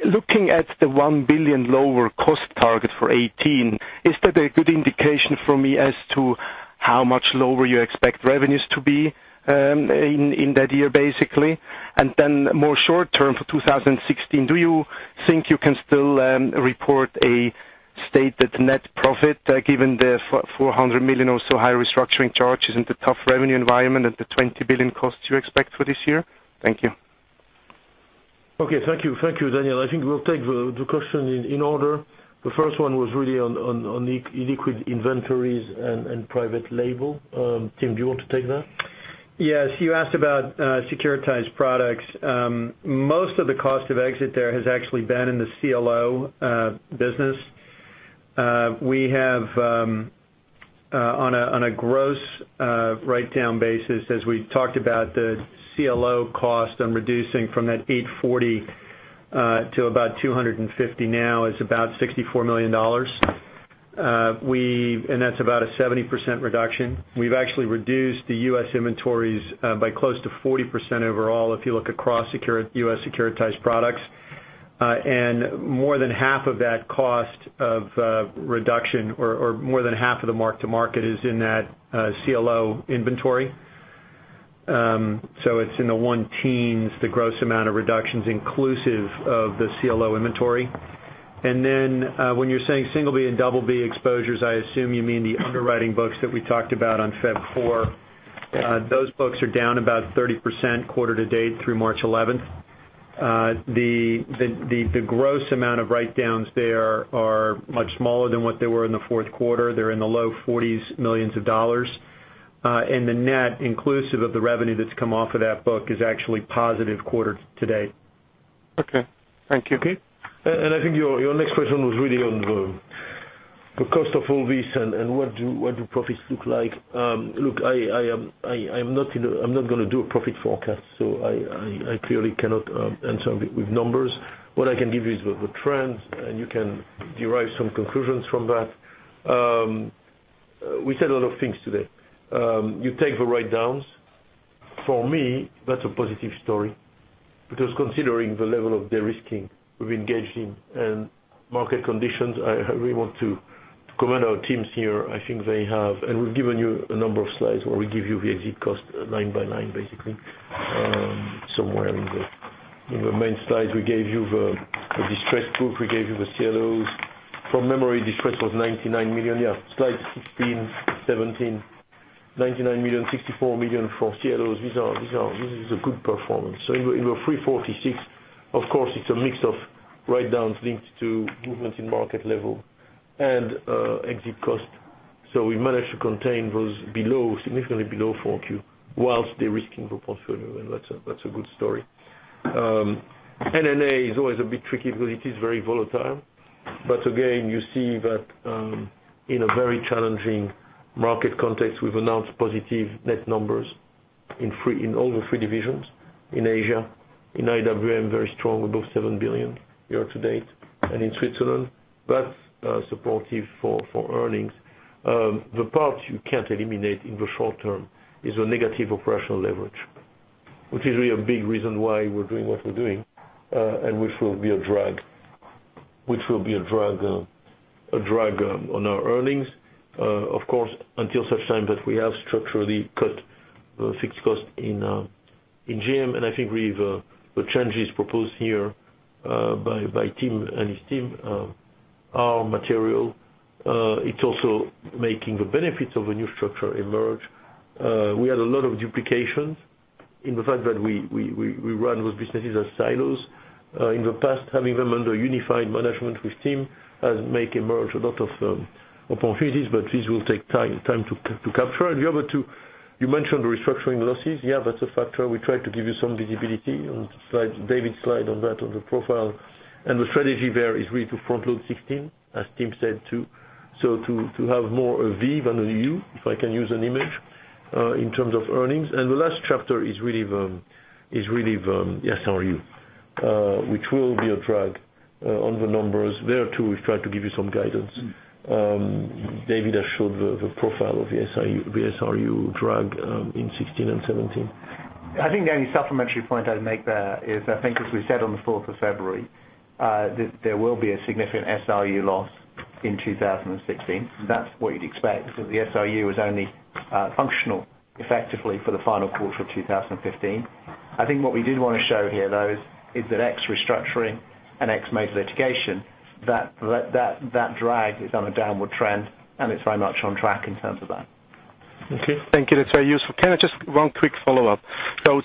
Looking at the 1 billion lower cost target for 2018, is that a good indication for me as to how much lower you expect revenues to be in that year, basically? More short-term for 2016, do you think you can still report a stated net profit, given the 400 million or so high restructuring charges and the tough revenue environment and the 20 billion costs you expect for this year? Thank you. Okay. Thank you, Daniele. I think we'll take the question in order. The first one was really on illiquid inventories and private label. Tim, do you want to take that? Yes. You asked about securitized products. Most of the cost of exit there has actually been in the CLO business. We have, on a gross write-down basis, as we talked about, the CLO cost on reducing from that 840 to about 250 now is about CHF 64 million. That's about a 70% reduction. We've actually reduced the U.S. inventories by close to 40% overall, if you look across U.S. securitized products. More than half of that cost of reduction or more than half of the mark to market is in that CLO inventory. It's in the one teens, the gross amount of reductions inclusive of the CLO inventory. When you're saying single B and double B exposures, I assume you mean the underwriting books that we talked about on February 4. Those books are down about 30% quarter to date through March 11th. The gross amount of write-downs there are much smaller than what they were in the fourth quarter. They're in the low 40s millions of CHF. The net inclusive of the revenue that's come off of that book is actually positive quarter to date. Okay. Thank you. Okay. I think your next question was really on the cost of all this, and what do profits look like? Look, I'm not going to do a profit forecast, so I clearly cannot answer with numbers. What I can give you is the trends, and you can derive some conclusions from that. We said a lot of things today. You take the write-downs. For me, that's a positive story, because considering the level of de-risking we've engaged in and market conditions, I really want to commend our teams here. We've given you a number of slides where we give you the exit cost line by line, basically. Somewhere in the main slides, we gave you the distressed book, we gave you the CLOs. From memory, distressed was 99 million. Slide 16, 17. 99 million, 64 million for CLOs. This is a good performance. In the 346, of course, it's a mix of write-downs linked to movements in market level and exit cost. We managed to contain those significantly below 4Q whilst de-risking the portfolio, and that's a good story. NNA is always a bit tricky because it is very volatile. Again, you see that in a very challenging market context, we've announced positive net numbers in all the three divisions. In Asia, in IWM, very strong, above 7 billion year to date. In Switzerland, that's supportive for earnings. The part you can't eliminate in the short term is a negative operational leverage, which is really a big reason why we're doing what we're doing, and which will be a drag on our earnings, of course, until such time that we have structurally cut the fixed cost in GM. I think the changes proposed here by Tim and his team are material. It's also making the benefits of a new structure emerge. We had a lot of duplications in the fact that we run those businesses as silos. In the past, having them under unified management with Tim has make emerge a lot of opportunities, but this will take time to capture. The other two, you mentioned the restructuring losses. Yeah, that's a factor. We try to give you some visibility on David's slide on that on the profile. The strategy there is really to front-load 2016, as Tim said too. To have more a V than a U, if I can use an image, in terms of earnings. The last chapter is really the SRU which will be a drag on the numbers. There, too, we've tried to give you some guidance. David has showed the profile of the SRU drag in 2016 and 2017. I think the only supplementary point I'd make there is, I think as we said on the fourth of February, that there will be a significant SRU loss in 2016. That's what you'd expect because the SRU was only functional effectively for the final quarter of 2015. I think what we did want to show here, though, is that ex restructuring and ex major litigation, that drag is on a downward trend, and it's very much on track in terms of that. Okay. Thank you. That's very useful. Can I just One quick follow-up?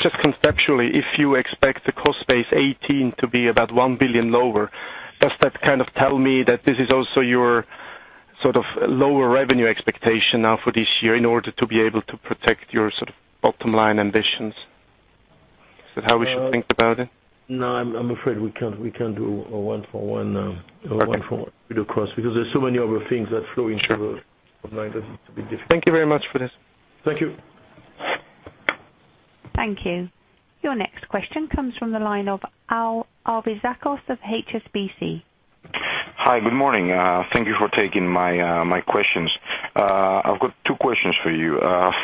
Just conceptually, if you expect the cost base 2018 to be about 1 billion lower, does that kind of tell me that this is also your sort of lower revenue expectation now for this year in order to be able to protect your sort of bottom line ambitions? Is that how we should think about it? No, I'm afraid we can't do a one for one. Okay because there's so many other things that flow into the bottom line that it's a bit difficult. Thank you very much for this. Thank you. Thank you. Your next question comes from the line of Alevizakos of HSBC. Hi. Good morning. Thank you for taking my questions. I've got two questions for you.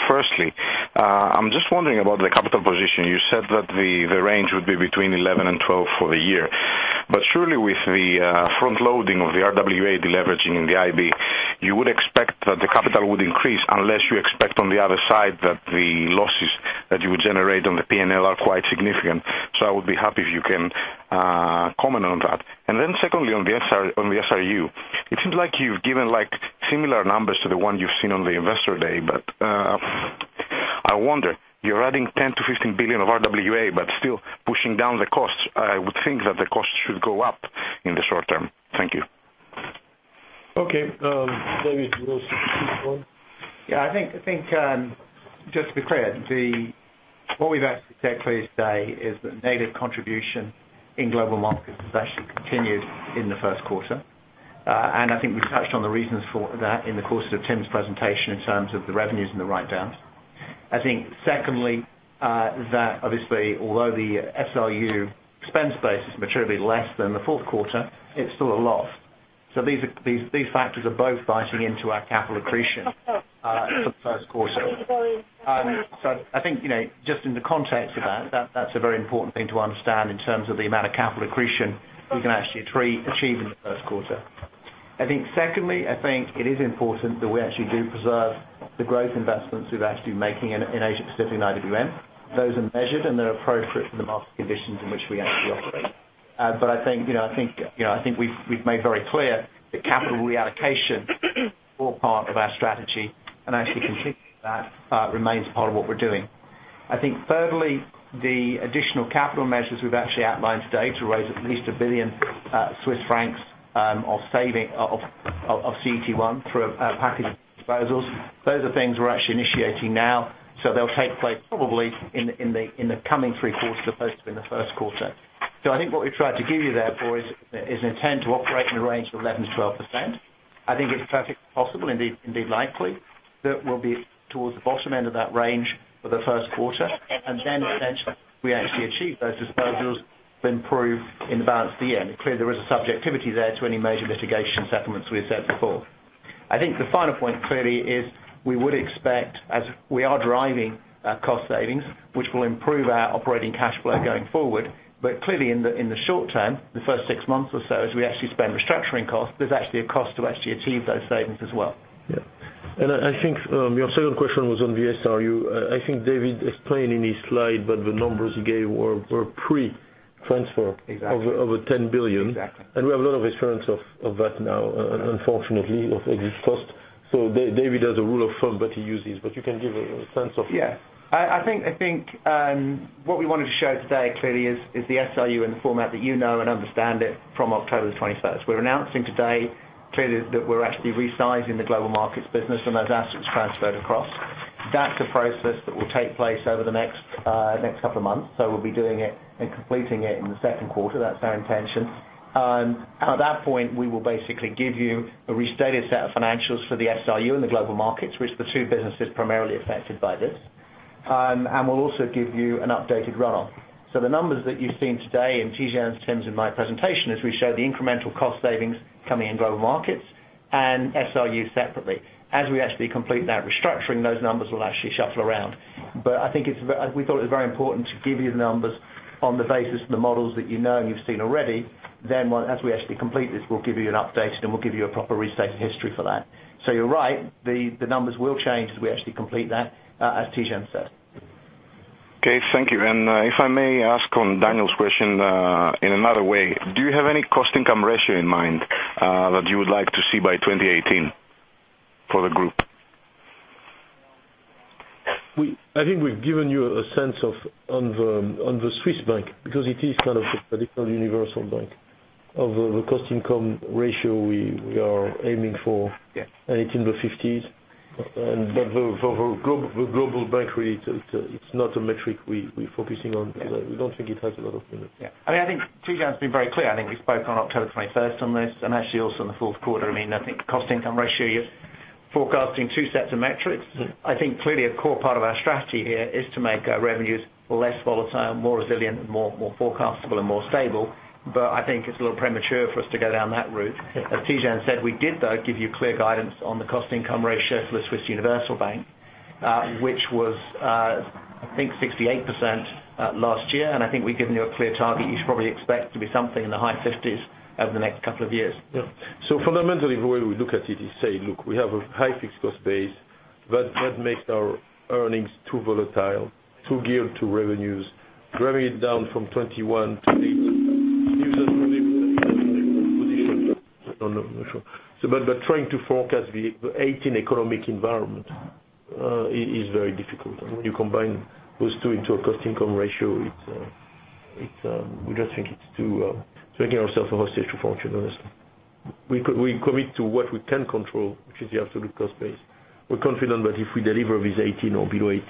Firstly, I'm just wondering about the capital position. You said that the range would be between 11 and 12 for the year. Surely with the front loading of the RWA deleveraging in the IB, you would expect that the capital would increase unless you expect on the other side that the losses that you would generate on the P&L are quite significant. I would be happy if you can comment on that. Secondly, on the SRU. It seems like you've given similar numbers to the one you've seen on the investor day, but I wonder, you're adding 10 billion-15 billion of RWA, but still pushing down the costs. I would think that the costs should go up in the short term. Thank you. Okay. David, do you want to take this one? Yeah, I think just to be clear, what we've actually said clearly today is that negative contribution in Global Markets has actually continued in the first quarter. I think we've touched on the reasons for that in the course of Tim's presentation in terms of the revenues and the write-downs. I think secondly, that obviously although the SRU expense base has matured a bit less than the fourth quarter, it's still a loss. These factors are both pricing into our capital accretion for the first quarter. I think, just in the context of that's a very important thing to understand in terms of the amount of capital accretion we can actually achieve in the first quarter. I think secondly, I think it is important that we actually do preserve the growth investments we're actually making in Asia Pacific and IWM. Those are measured, and they're appropriate for the market conditions in which we actually operate. I think we've made very clear that capital reallocation is a core part of our strategy, and actually completing that remains part of what we're doing. I think thirdly, the additional capital measures we've actually outlined today to raise at least 1 billion Swiss francs of CET1 through a package of disposals. Those are things we're actually initiating now, so they'll take place probably in the coming three quarters as opposed to in the first quarter. I think what we've tried to give you there, boys, is the intent to operate in a range of 11%-12%. I think it's perfectly possible, indeed likely, that we'll be towards the bottom end of that range for the first quarter, and then essentially we actually achieve those disposals, then prove in the balance at the end. Clearly, there is a subjectivity there to any major litigation settlements we've set before. I think the final point, clearly, is we would expect, as we are driving cost savings, which will improve our operating cash flow going forward. Clearly in the short term, the first six months or so, as we actually spend restructuring costs, there's actually a cost to actually achieve those savings as well. Yeah. I think your second question was on the SRU. I think David explained in his slide, the numbers he gave were pre-transfer. Exactly over 10 billion. Exactly. We have a lot of assurance of that now, unfortunately, of exit cost. David has a rule of thumb that he uses, but you can give a sense of. What we wanted to show today, clearly, is the SRU in the format that you know and understand it from October the 21st. We're announcing today, clearly, that we're actually resizing the Global Markets business and those assets transferred across. That's a process that will take place over the next couple of months. We'll be doing it and completing it in the second quarter. That's our intention. At that point, we will basically give you a restated set of financials for the SRU and the Global Markets, which the two businesses primarily affected by this. We'll also give you an updated run-off. The numbers that you've seen today in Tidjane's, Tim's, and my presentation, is we show the incremental cost savings coming in Global Markets and SRU separately. As we actually complete that restructuring, those numbers will actually shuffle around. I think we thought it was very important to give you the numbers on the basis of the models that you know and you've seen already. As we actually complete this, we'll give you an update, we'll give you a proper restated history for that. You're right. The numbers will change as we actually complete that, as Tidjane said. Okay, thank you. If I may ask on Daniele's question in another way, do you have any cost income ratio in mind that you would like to see by 2018 for the group? I think we've given you a sense on the Swiss bank, because it is kind of the typical universal bank. Of the cost income ratio, we are aiming for- Yes 18 to 50s. For the global bank, really, it's not a metric we're focusing on. Yeah. We don't think it has a lot of meaning. I think Tidjane's been very clear. I think we spoke on October 21st on this, and actually also in the fourth quarter. I think cost income ratio, you're forecasting two sets of metrics. I think clearly a core part of our strategy here is to make our revenues less volatile, more resilient, more forecastable, and more stable. I think it's a little premature for us to go down that route. As Tidjane said, we did, though, give you clear guidance on the cost income ratio for the Swiss Universal Bank, which was, I think, 68% last year, and I think we've given you a clear target. You should probably expect to be something in the high 50s over the next couple of years. Fundamentally, the way we look at it is say, look, we have a high fixed cost base, but that makes our earnings too volatile, too geared to revenues, driving it down from 21 to gives us a good position. Trying to forecast the 2018 economic environment is very difficult. When you combine those two into a cost income ratio, we just think it's taking ourselves a hostage to fortune, honestly. We commit to what we can control, which is the absolute cost base. We're confident that if we deliver with 18 or below 18,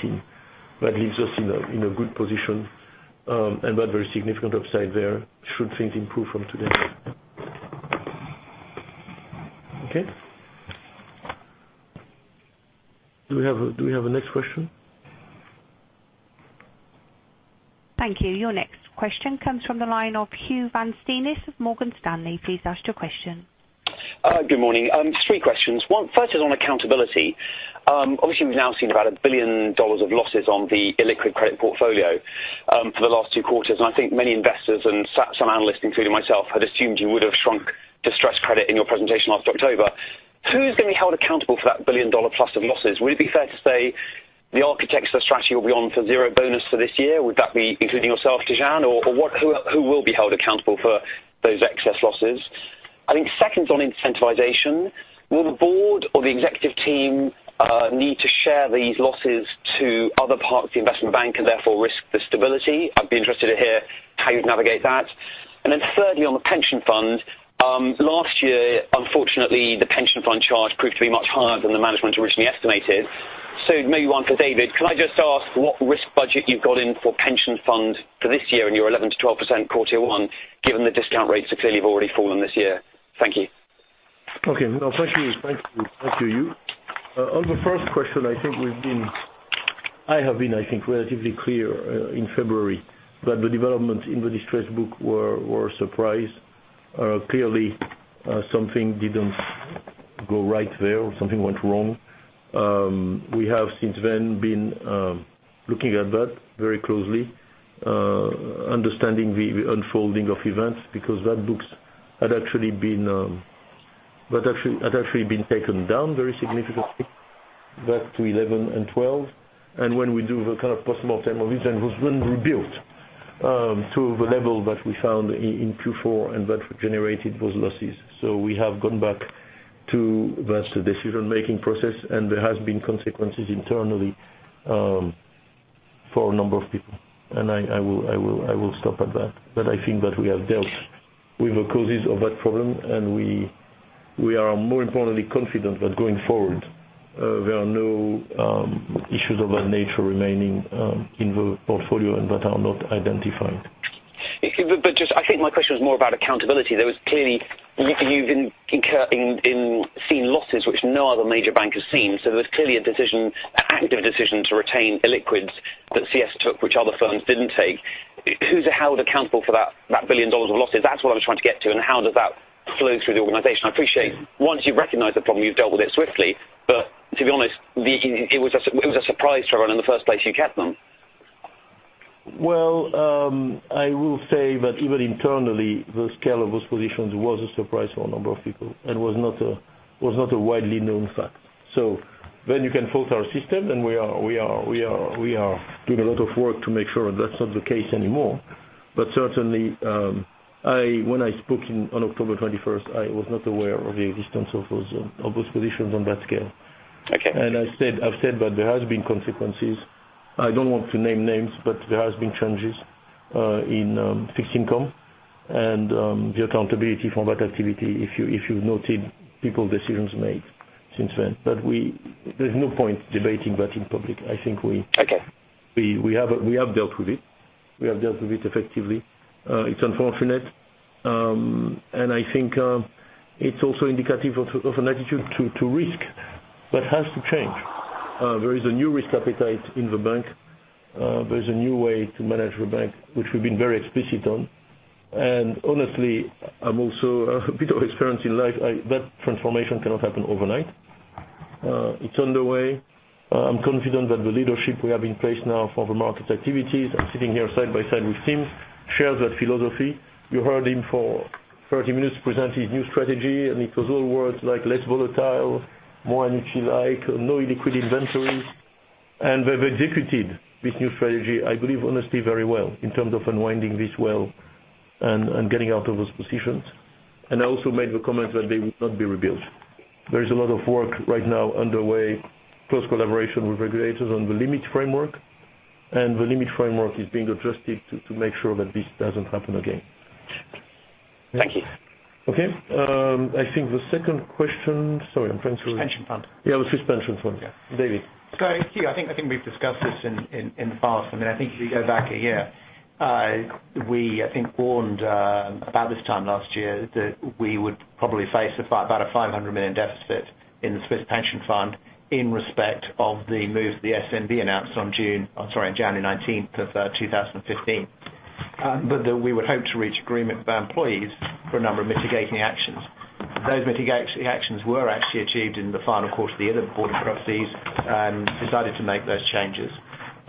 that it's just in a good position. Very significant upside there should things improve from today. Do we have a next question? Thank you. Your next question comes from the line of Huw van Steenis of Morgan Stanley. Please ask your question. Good morning. Three questions. First is on accountability. Obviously, we've now seen about $1 billion of losses on the illiquid credit portfolio for the last 2 quarters, and I think many investors and some analysts, including myself, had assumed you would have shrunk distressed credit in your presentation last October. Who's going to be held accountable for that $1 billion-plus of losses? Would it be fair to say the architects of the strategy will be on for 0 bonus for this year? Would that be including yourself, Tidjane? Or who will be held accountable for those excess losses? I think second, on incentivization. Will the board or the executive team need to share these losses to other parts of the investment bank and therefore risk the stability? I'd be interested to hear how you'd navigate that. Thirdly, on the pension fund. Last year, unfortunately, the pension fund charge proved to be much higher than the management originally estimated. Maybe one for David, can I just ask what risk budget you've got in for pension fund for this year in your 11%-12% Q1, given the discount rates have clearly already fallen this year? Thank you. Okay. No, thank you. On the first question, I think I have been relatively clear in February that the developments in the distressed book were a surprise. Clearly, something didn't go right there or something went wrong. We have since then been looking at that very closely, understanding the unfolding of events, because that book had actually been taken down very significantly back to 2011 and 2012. When we do the kind of postmortem origin, was when rebuilt to the level that we found in Q4, and that generated those losses. We have gone back to that decision-making process, and there has been consequences internally, for a number of people. I will stop at that. I think that we have dealt with the causes of that problem, and we are more importantly confident that going forward, there are no issues of that nature remaining in the portfolio and that are not identified. I think my question was more about accountability. You've seen losses which no other major bank has seen. There was clearly an active decision to retain illiquids that CS took, which other firms didn't take. Who's held accountable for that CHF 1 billion of losses? That's what I was trying to get to. How does that flow through the organization? I appreciate, once you've recognized the problem, you've dealt with it swiftly. To be honest, it was a surprise to everyone in the first place you kept them. I will say that even internally, the scale of those positions was a surprise for a number of people and was not a widely known fact. You can fault our system. We are doing a lot of work to make sure that's not the case anymore. Certainly, when I spoke on October 21st, I was not aware of the existence of those positions on that scale. Okay. I've said that there has been consequences. I don't want to name names. There has been changes in fixed income and the accountability for that activity, if you noted people decisions made since then. There's no point debating that in public. Okay We have dealt with it. We have dealt with it effectively. It's unfortunate. I think, it's also indicative of an attitude to risk that has to change. There is a new risk appetite in the bank. There's a new way to manage the bank, which we've been very explicit on. Honestly, I've a bit of experience in life, that transformation cannot happen overnight. It's underway. I'm confident that the leadership we have in place now for the market activities, I'm sitting here side by side with Tim, shares that philosophy. You heard him for 30 minutes present his new strategy. It was all words like less volatile, more energy like, no illiquid inventories. They've executed this new strategy, I believe, honestly, very well in terms of unwinding this well and getting out of those positions. I also made the comment that they would not be rebuilt. There is a lot of work right now underway, close collaboration with regulators on the limit framework, and the limit framework is being adjusted to make sure that this doesn't happen again. Thank you. Okay. I think the second question. Pension fund. Yeah, the pension fund. Yeah. David. Thank you. I think we've discussed this in the past, I think if you go back a year, we, I think, warned, about this time last year, that we would probably face about a 500 million deficit in the Swiss pension fund in respect of the move the SNB announced on January 19, 2015. That we would hope to reach agreement by employees for a number of mitigating actions. Those mitigating actions were actually achieved in the final quarter of the year, the board of trustees decided to make those changes.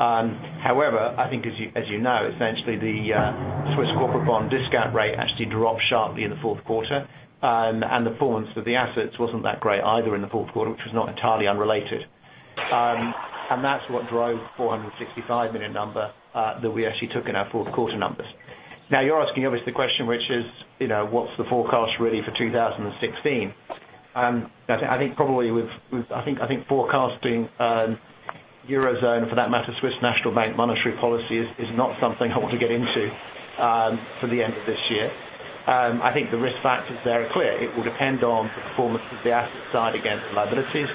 I think as you know, essentially the Swiss corporate bond discount rate actually dropped sharply in the fourth quarter, and the performance of the assets wasn't that great either in the fourth quarter, which was not entirely unrelated. That's what drove the 465 million number, that we actually took in our fourth quarter numbers. You're asking, obviously, the question, which is what's the forecast really for 2016? I think forecasting Eurozone, for that matter, Swiss National Bank monetary policy is not something I want to get into for the end of this year. I think the risk factors there are clear. It will depend on the performance of the asset side against the liabilities.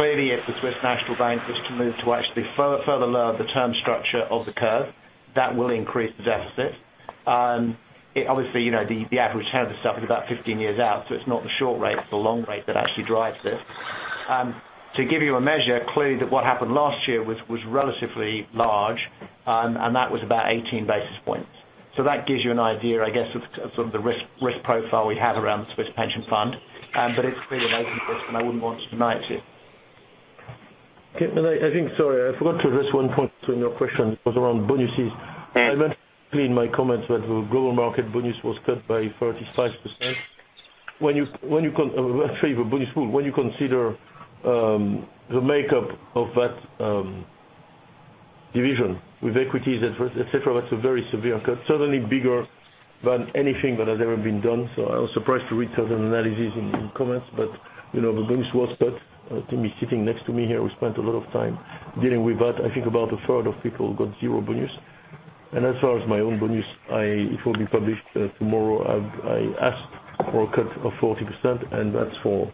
Clearly, if the Swiss National Bank was to move to actually further lower the term structure of the curve, that will increase the deficit. Obviously, the average term of this stuff is about 15 years out, so it's not the short rate, it's the long rate that actually drives this. To give you a measure, clearly what happened last year was relatively large, and that was about 18 basis points. That gives you an idea, I guess, of sort of the risk profile we have around the Swiss pension fund. It's clearly a risk, and I wouldn't want to deny it. Okay. I think, sorry, I forgot to address one point in your question. It was around bonuses. Yeah. I mentioned clearly in my comments that the Global Markets bonus was cut by 35%. Actually, the bonus pool. When you consider the makeup of that division with equities, et cetera, that's a very severe cut, certainly bigger than anything that has ever been done. I was surprised to read certain analyses in comments. The bonus was cut. Tim is sitting next to me here. We spent a lot of time dealing with that. I think about a third of people got zero bonus. As far as my own bonus, it will be published tomorrow. I asked for a cut of 40%, and that's for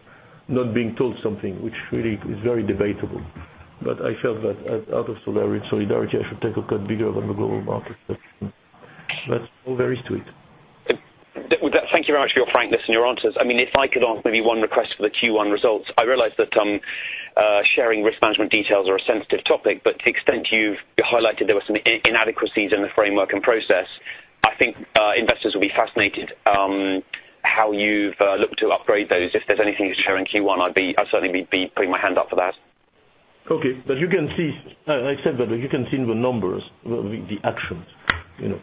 not being told something, which really is very debatable. I felt that out of solidarity, I should take a cut bigger than the Global Markets. That's all very sweet. Thank you very much for your frankness and your answers. If I could ask maybe one request for the Q1 results, I realize that sharing risk management details are a sensitive topic, but to the extent you've highlighted there were some inadequacies in the framework and process, I think investors will be fascinated how you've looked to upgrade those. If there's anything you'd share in Q1, I'd certainly be putting my hand up for that. Okay. You can see, I said that you can see in the numbers, the actions. You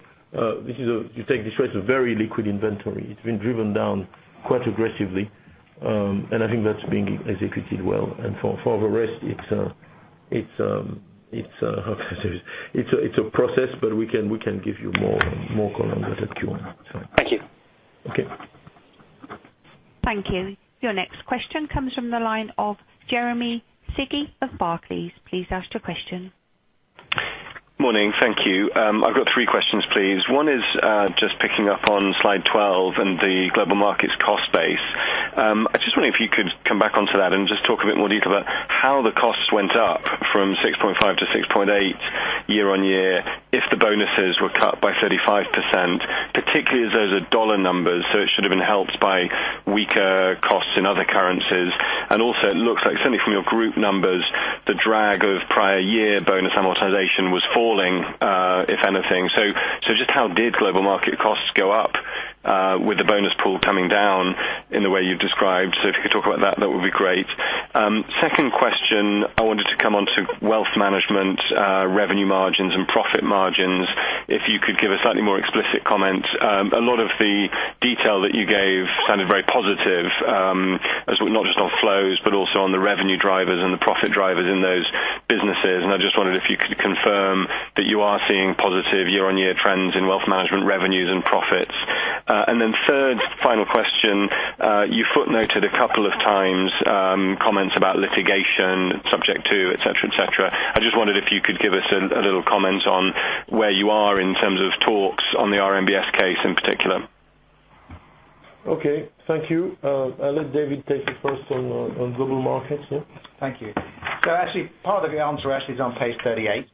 take this risk, a very liquid inventory. It's been driven down quite aggressively, and I think that's being executed well. For the rest, it's a process, but we can give you more color on that at Q1. Thank you. Okay. Thank you. Your next question comes from the line of Jeremy Sigee of Barclays. Please ask your question. Morning. Thank you. I've got three questions, please. One is just picking up on slide 12 and the Global Markets cost base. I just wonder if you could come back onto that and just talk a bit more detail about how the costs went up from $6.5-$6.8 year-on-year, if the bonuses were cut by 35%, particularly as those are dollar numbers, so it should have been helped by weaker costs in other currencies. It looks like certainly from your group numbers, the drag of prior year bonus amortization was falling, if anything. So just how did Global Markets costs go up, with the bonus pool coming down in the way you've described? So if you could talk about that would be great. Second question, I wanted to come on to wealth management, revenue margins, and profit margins. If you could give a slightly more explicit comment. A lot of the detail that you gave sounded very positive, not just on flows, but also on the revenue drivers and the profit drivers in those businesses. I just wondered if you could confirm that you are seeing positive year-on-year trends in wealth management revenues and profits. Then third, final question, you footnoted a couple of times, comments about litigation subject to et cetera. I just wondered if you could give us a little comment on where you are in terms of talks on the RMBS case in particular. Okay. Thank you. I'll let David take the first on Global Markets, yeah? Thank you. Actually, part of the answer actually is on page 38,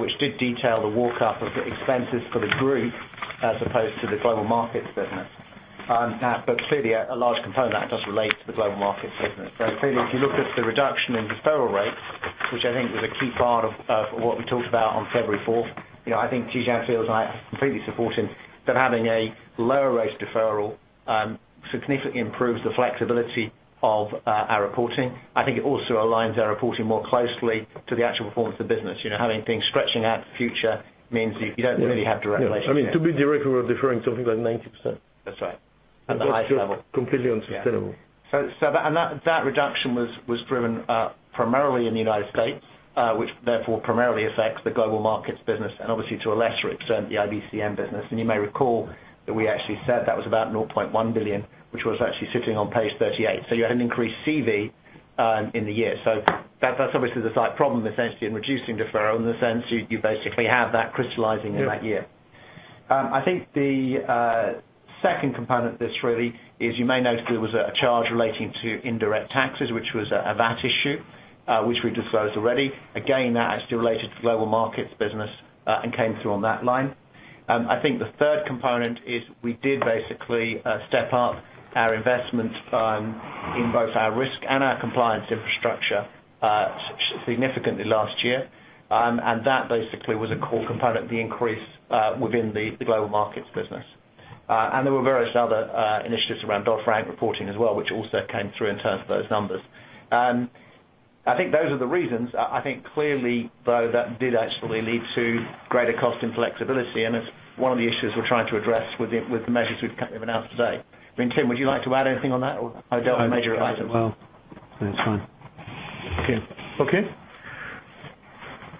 which did detail the walk-up of the expenses for the group as opposed to the Global Markets business. Clearly, a large component of that does relate to the Global Markets business. Clearly, if you looked at the reduction in deferral rates, which I think was a key part of what we talked about on February 4th, I think TJ feels, and I completely support him, that having a lower rate of deferral significantly improves the flexibility of our reporting. I think it also aligns our reporting more closely to the actual performance of the business. Having things stretching out to the future means you don't really have direct relations. I mean, to be direct, we were deferring something like 90%. That's right. At the highest level. Completely unsustainable. That reduction was driven primarily in the U.S., which therefore primarily affects the Global Markets business, and obviously to a lesser extent, the IBCM business. You may recall that we actually said that was about 0.1 billion, which was actually sitting on page 38. You had an increased CY in the year. That's obviously the slight problem, essentially, in reducing deferral in the sense you basically have that crystallizing in that year. I think the second component of this really is you may note there was a charge relating to indirect taxes, which was a VAT issue, which we disclosed already. Again, that actually related to Global Markets business, and came through on that line. I think the third component is we did basically step up our investment in both our risk and our compliance infrastructure significantly last year. That basically was a core component of the increase within the Global Markets business. There were various other initiatives around dollar franc reporting as well, which also came through in terms of those numbers. I think those are the reasons. I think clearly, though, that did actually lead to greater cost inflexibility, and it's one of the issues we're trying to address with the measures we've announced today. I mean, Tim, would you like to add anything on that or those major items? No, it's fine. Okay.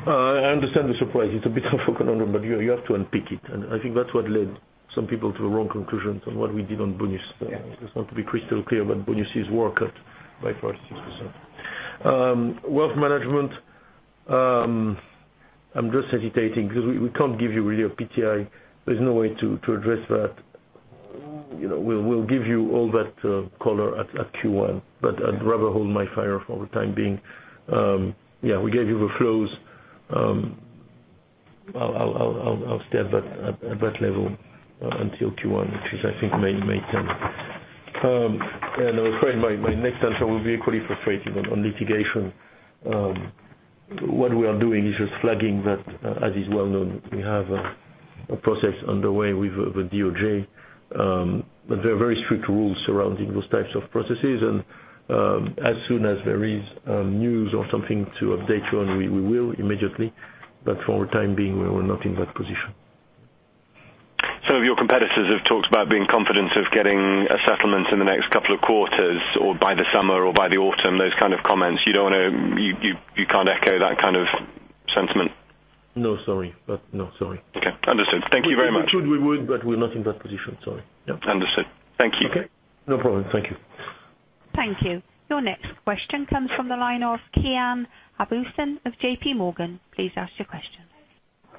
I understand the surprise. It's a bit of a conundrum, but you have to unpick it. I think that's what led some people to the wrong conclusions on what we did on bonus. Yeah. Just want to be crystal clear when bonuses were cut by 36%. Wealth management, I'm just hesitating because we can't give you really a PTI. There's no way to address that. We'll give you all that color at Q1, but I'd rather hold my fire for the time being. Yeah, we gave you the flows. I'll stay at that level until Q1, which is, I think, May 10th. I'm afraid my next answer will be equally frustrating on litigation. What we are doing is just flagging that, as is well known, we have a process underway with the DOJ, but there are very strict rules surrounding those types of processes. As soon as there is news or something to update you on, we will immediately. For the time being, we are not in that position. Some of your competitors have talked about being confident of getting a settlement in the next couple of quarters or by the summer or by the autumn, those kind of comments. You can't echo that kind of sentiment? No, sorry. Okay. Understood. Thank you very much. If we could, we would, but we're not in that position, sorry. Understood. Thank you. Okay. No problem. Thank you. Thank you. Your next question comes from the line of Kian Abouhossein of J.P. Morgan. Please ask your question.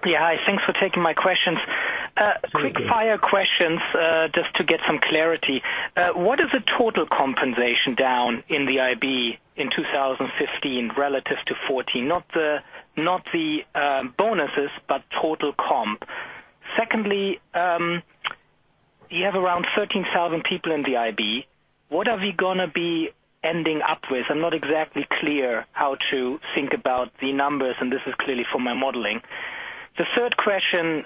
Yeah, hi. Thanks for taking my questions. Okay. Quick fire questions, just to get some clarity. What is the total compensation down in the IB in relative to 2014, not the bonuses, but total comp. Secondly, you have around 13,000 people in the IB. What are we going to be ending up with? I'm not exactly clear how to think about the numbers, this is clearly for my modeling. The third question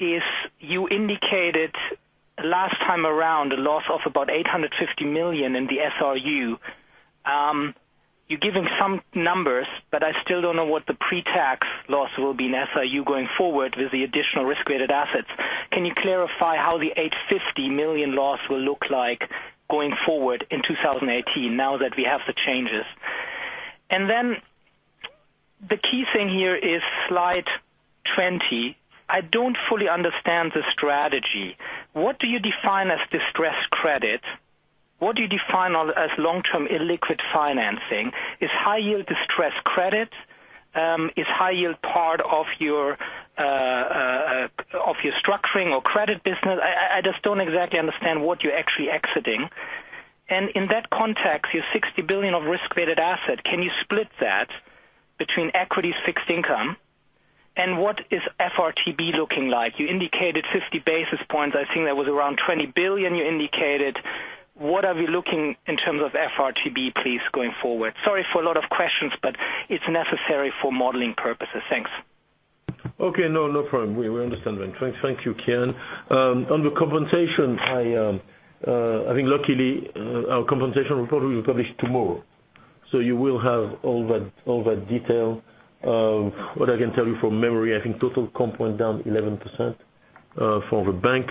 is, you indicated last time around a loss of about 850 million in the SRU. You've given some numbers, I still don't know what the pre-tax loss will be in SRU going forward with the additional risk-weighted assets. Can you clarify how the 850 million loss will look like going forward in 2018 now that we have the changes? The key thing here is slide 20. I don't fully understand the strategy. What do you define as distressed credit? What do you define as long-term illiquid financing? Is high yield distressed credit? Is high yield part of your structuring or credit business? I just don't exactly understand what you're actually exiting. In that context, your 60 billion of risk-weighted asset, can you split that between equity fixed income? What is FRTB looking like? You indicated 50 basis points. I think that was around 20 billion you indicated. What are we looking in terms of FRTB, please, going forward? Sorry for a lot of questions, it's necessary for modeling purposes. Thanks. Okay, no problem. We understand that. Thank you, Kian. On the compensation, I think luckily our compensation report will be published tomorrow, you will have all that detail. What I can tell you from memory, I think total comp went down 11% for the bank.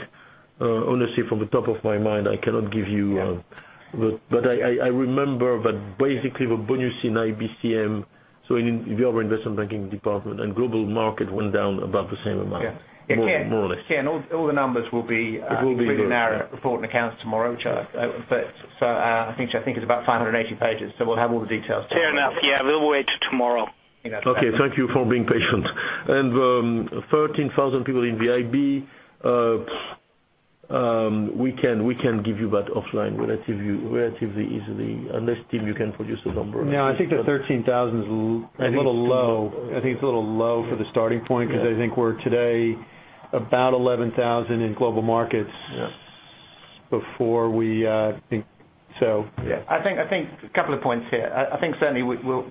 Honestly, from the top of my mind, I cannot give you- Yeah I remember that basically the bonus in IBCM, so in the other investment banking department, and Global Market went down about the same amount. Yeah. More or less. Kian, all the numbers will be. It will be there. in our report and accounts tomorrow. Which I think is about 580 pages, so we'll have all the details. Fair enough. Yeah. We'll wait till tomorrow. Okay. Okay. Thank you for being patient. 13,000 people in the IB, we can give you that offline relatively easily, unless Tim, you can produce a number. No, I think the 13,000's a little low. I think it's a little low for the starting point, because I think we're today about 11,000 in Global Markets. Yeah. Before we think so. Yeah. I think a couple of points here. I think certainly we'll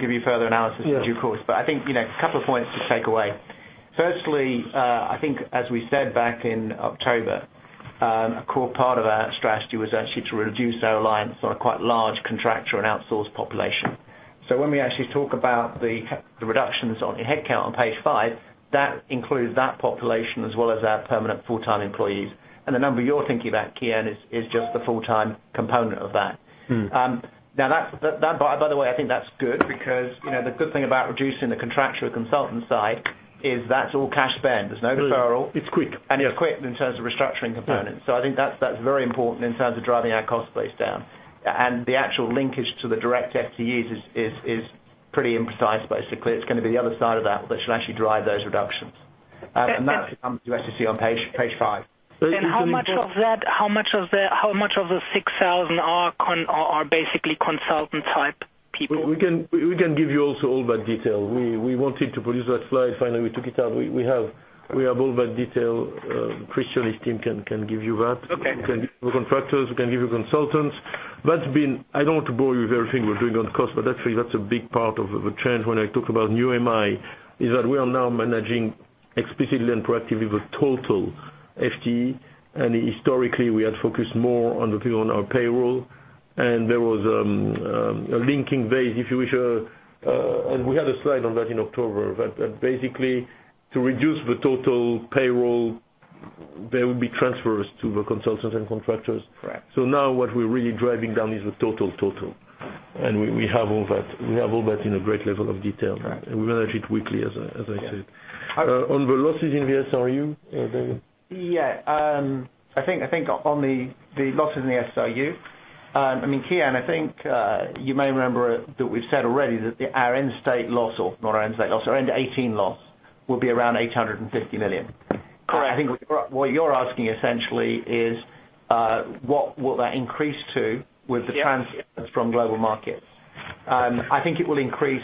give you further analysis in due course. Yeah. I think a couple of points to take away. Firstly, I think as we said back in October, a core part of our strategy was actually to reduce our reliance on a quite large contractual and outsourced population. When we actually talk about the reductions on your headcount on page five, that includes that population as well as our permanent full-time employees. The number you're thinking about, Kian, is just the full-time component of that. Now that, by the way, I think that's good because the good thing about reducing the contractual consultant side is that's all cash spend. There's no deferral. It's quick. It's quick in terms of restructuring components. Yeah. I think that's very important in terms of driving our cost base down. The actual linkage to the direct FTEs is pretty imprecise, basically. It's going to be the other side of that should actually drive those reductions. That comes to you, actually see on page five. How much of the 6,000 are basically consultant type people? We can give you also all that detail. We wanted to produce that slide. Finally, we took it out. We have all that detail. Christian and his team can give you that. Okay. We can give you contractors, we can give you consultants. I don't want to bore you with everything we're doing on cost, but actually that's a big part of the change when I talk about new MI, is that we are now managing explicitly and proactively with total FTE, historically we had focused more on the people on our payroll and there was a linking base, if you wish. We had a slide on that in October. That basically to reduce the total payroll, there would be transfers to the consultants and contractors. Correct. Now what we're really driving down is the total, we have all that in a great level of detail. Right. We manage it weekly as I said. On the losses in the SRU? Yeah. I think on the losses in the SRU, Kian, I think you may remember that we've said already that our end state loss, or not our end state loss, our end 2018 loss will be around 850 million. Correct. I think what you're asking essentially is what will that increase to with. Yeah transfers from Global Markets? I think it will increase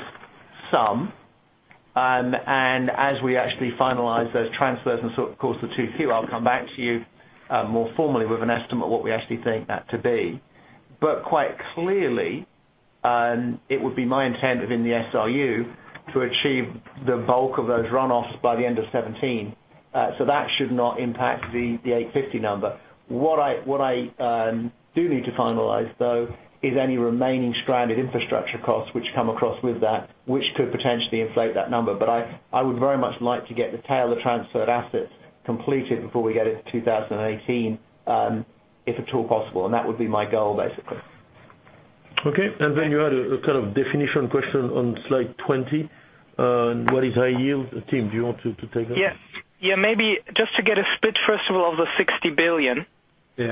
some, and as we actually finalize those transfers, and so of course the 2Q, I'll come back to you more formally with an estimate what we actually think that to be. Quite clearly, it would be my intent within the SRU to achieve the bulk of those runoffs by the end of 2017. That should not impact the 850 number. What I do need to finalize, though, is any remaining stranded infrastructure costs which come across with that, which could potentially inflate that number. I would very much like to get the tail of transferred assets completed before we get into 2018, if at all possible. That would be my goal, basically. Okay. Then you had a kind of definition question on slide 20, on what is high yield. Tim, do you want to take that? Yeah. Maybe just to get a split first of all of the 60 billion- Yeah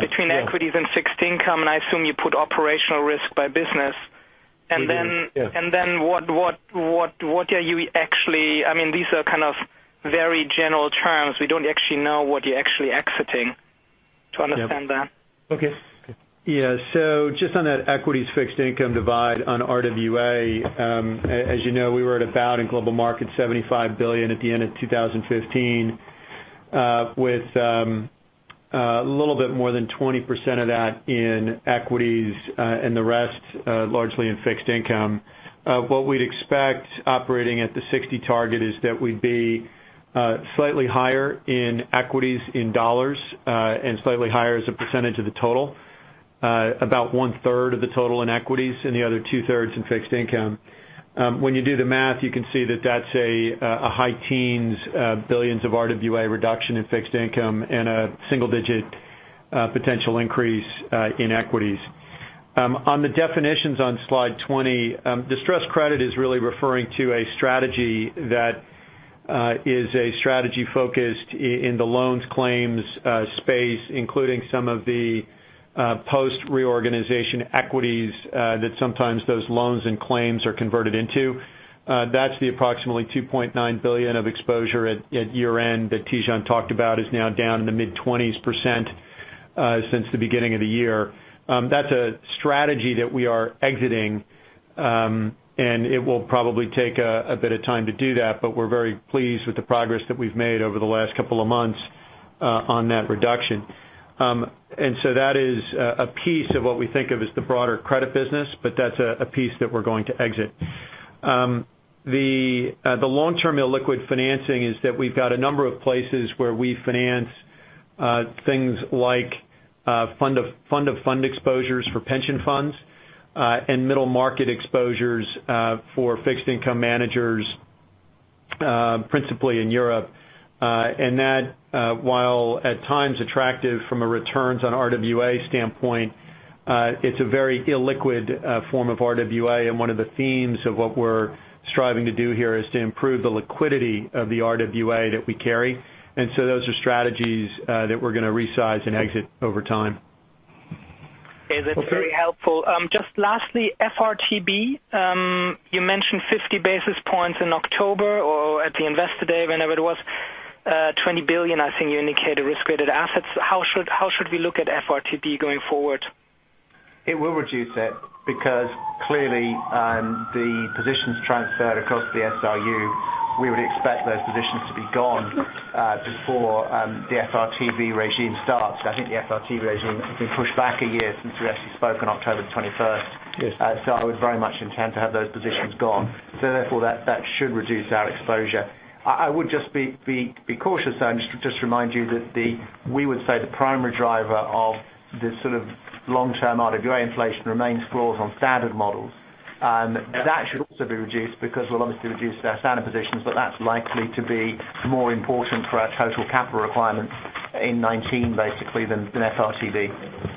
between equities and fixed income, and I assume you put operational risk by business. Mm-hmm. Yeah. What are you actually These are kind of very general terms. We don't actually know what you're actually exiting. Understand that. Okay. Just on that equities fixed income divide on RWA, as you know, we were at about in Global Markets, 75 billion at the end of 2015, with a little bit more than 20% of that in equities, and the rest largely in fixed income. What we'd expect operating at the 60 target is that we'd be slightly higher in equities in CHF, and slightly higher as a percentage of the total, about one-third of the total in equities and the other two-thirds in fixed income. When you do the math, you can see that that's a high teens billions of RWA reduction in fixed income and a single-digit potential increase in equities. On the definitions on slide 20, distressed credit is really referring to a strategy that is a strategy focused in the loans claims space, including some of the post reorganization equities, that sometimes those loans and claims are converted into. That's the approximately 2.9 billion of exposure at year-end that Tidjane talked about is now down in the mid-20s% since the beginning of the year. That's a strategy that we are exiting, and it will probably take a bit of time to do that, but we're very pleased with the progress that we've made over the last couple of months on that reduction. That is a piece of what we think of as the broader credit business, but that's a piece that we're going to exit. The long-term illiquid financing is that we've got a number of places where we finance things like fund of fund exposures for pension funds, and middle-market exposures for fixed income managers, principally in Europe. That, while at times attractive from a returns on RWA standpoint, it's a very illiquid form of RWA, and one of the themes of what we're striving to do here is to improve the liquidity of the RWA that we carry. Those are strategies that we're going to resize and exit over time. Is it very helpful? Lastly, FRTB. You mentioned 50 basis points in October or at the investor day, whenever it was. 20 billion, I think you indicated risk-weighted assets. How should we look at FRTB going forward? It will reduce it because clearly, the positions transferred across the SRU, we would expect those positions to be gone before the FRTB regime starts. I think the FRTB regime has been pushed back a year since we actually spoke on October 21st. Yes. I would very much intend to have those positions gone. Therefore that should reduce our exposure. I would just be cautious, though, and just remind you that we would say the primary driver of the sort of long-term RWA inflation remains floors on standard models. That should also be reduced because we'll obviously reduce our standard positions, but that's likely to be more important for our total capital requirements in 2019 basically than FRTB.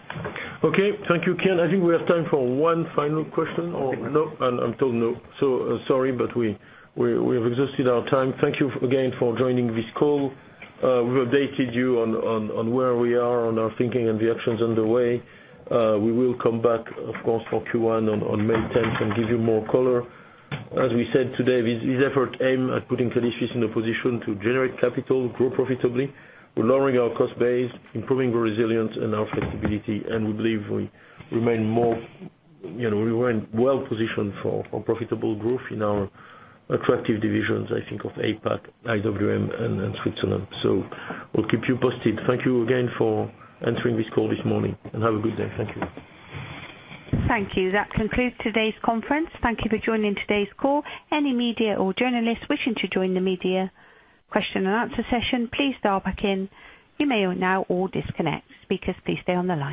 Okay. Thank you, Kian. I think we have time for one final question or no? I'm told no. Sorry, but we have exhausted our time. Thank you again for joining this call. We've updated you on where we are on our thinking and the actions underway. We will come back, of course, for Q1 on May 10th and give you more color. As we said today, this effort aims at putting Credit Suisse in a position to generate capital, grow profitably. We're lowering our cost base, improving our resilience and our flexibility, and we believe we remain well-positioned for profitable growth in our attractive divisions, I think of APAC, IWM and Switzerland. We'll keep you posted. Thank you again for answering this call this morning, and have a good day. Thank you. Thank you. That concludes today's conference. Thank you for joining today's call. Any media or journalists wishing to join the media question and answer session, please dial back in. You may now all disconnect. Speakers, please stay on the line.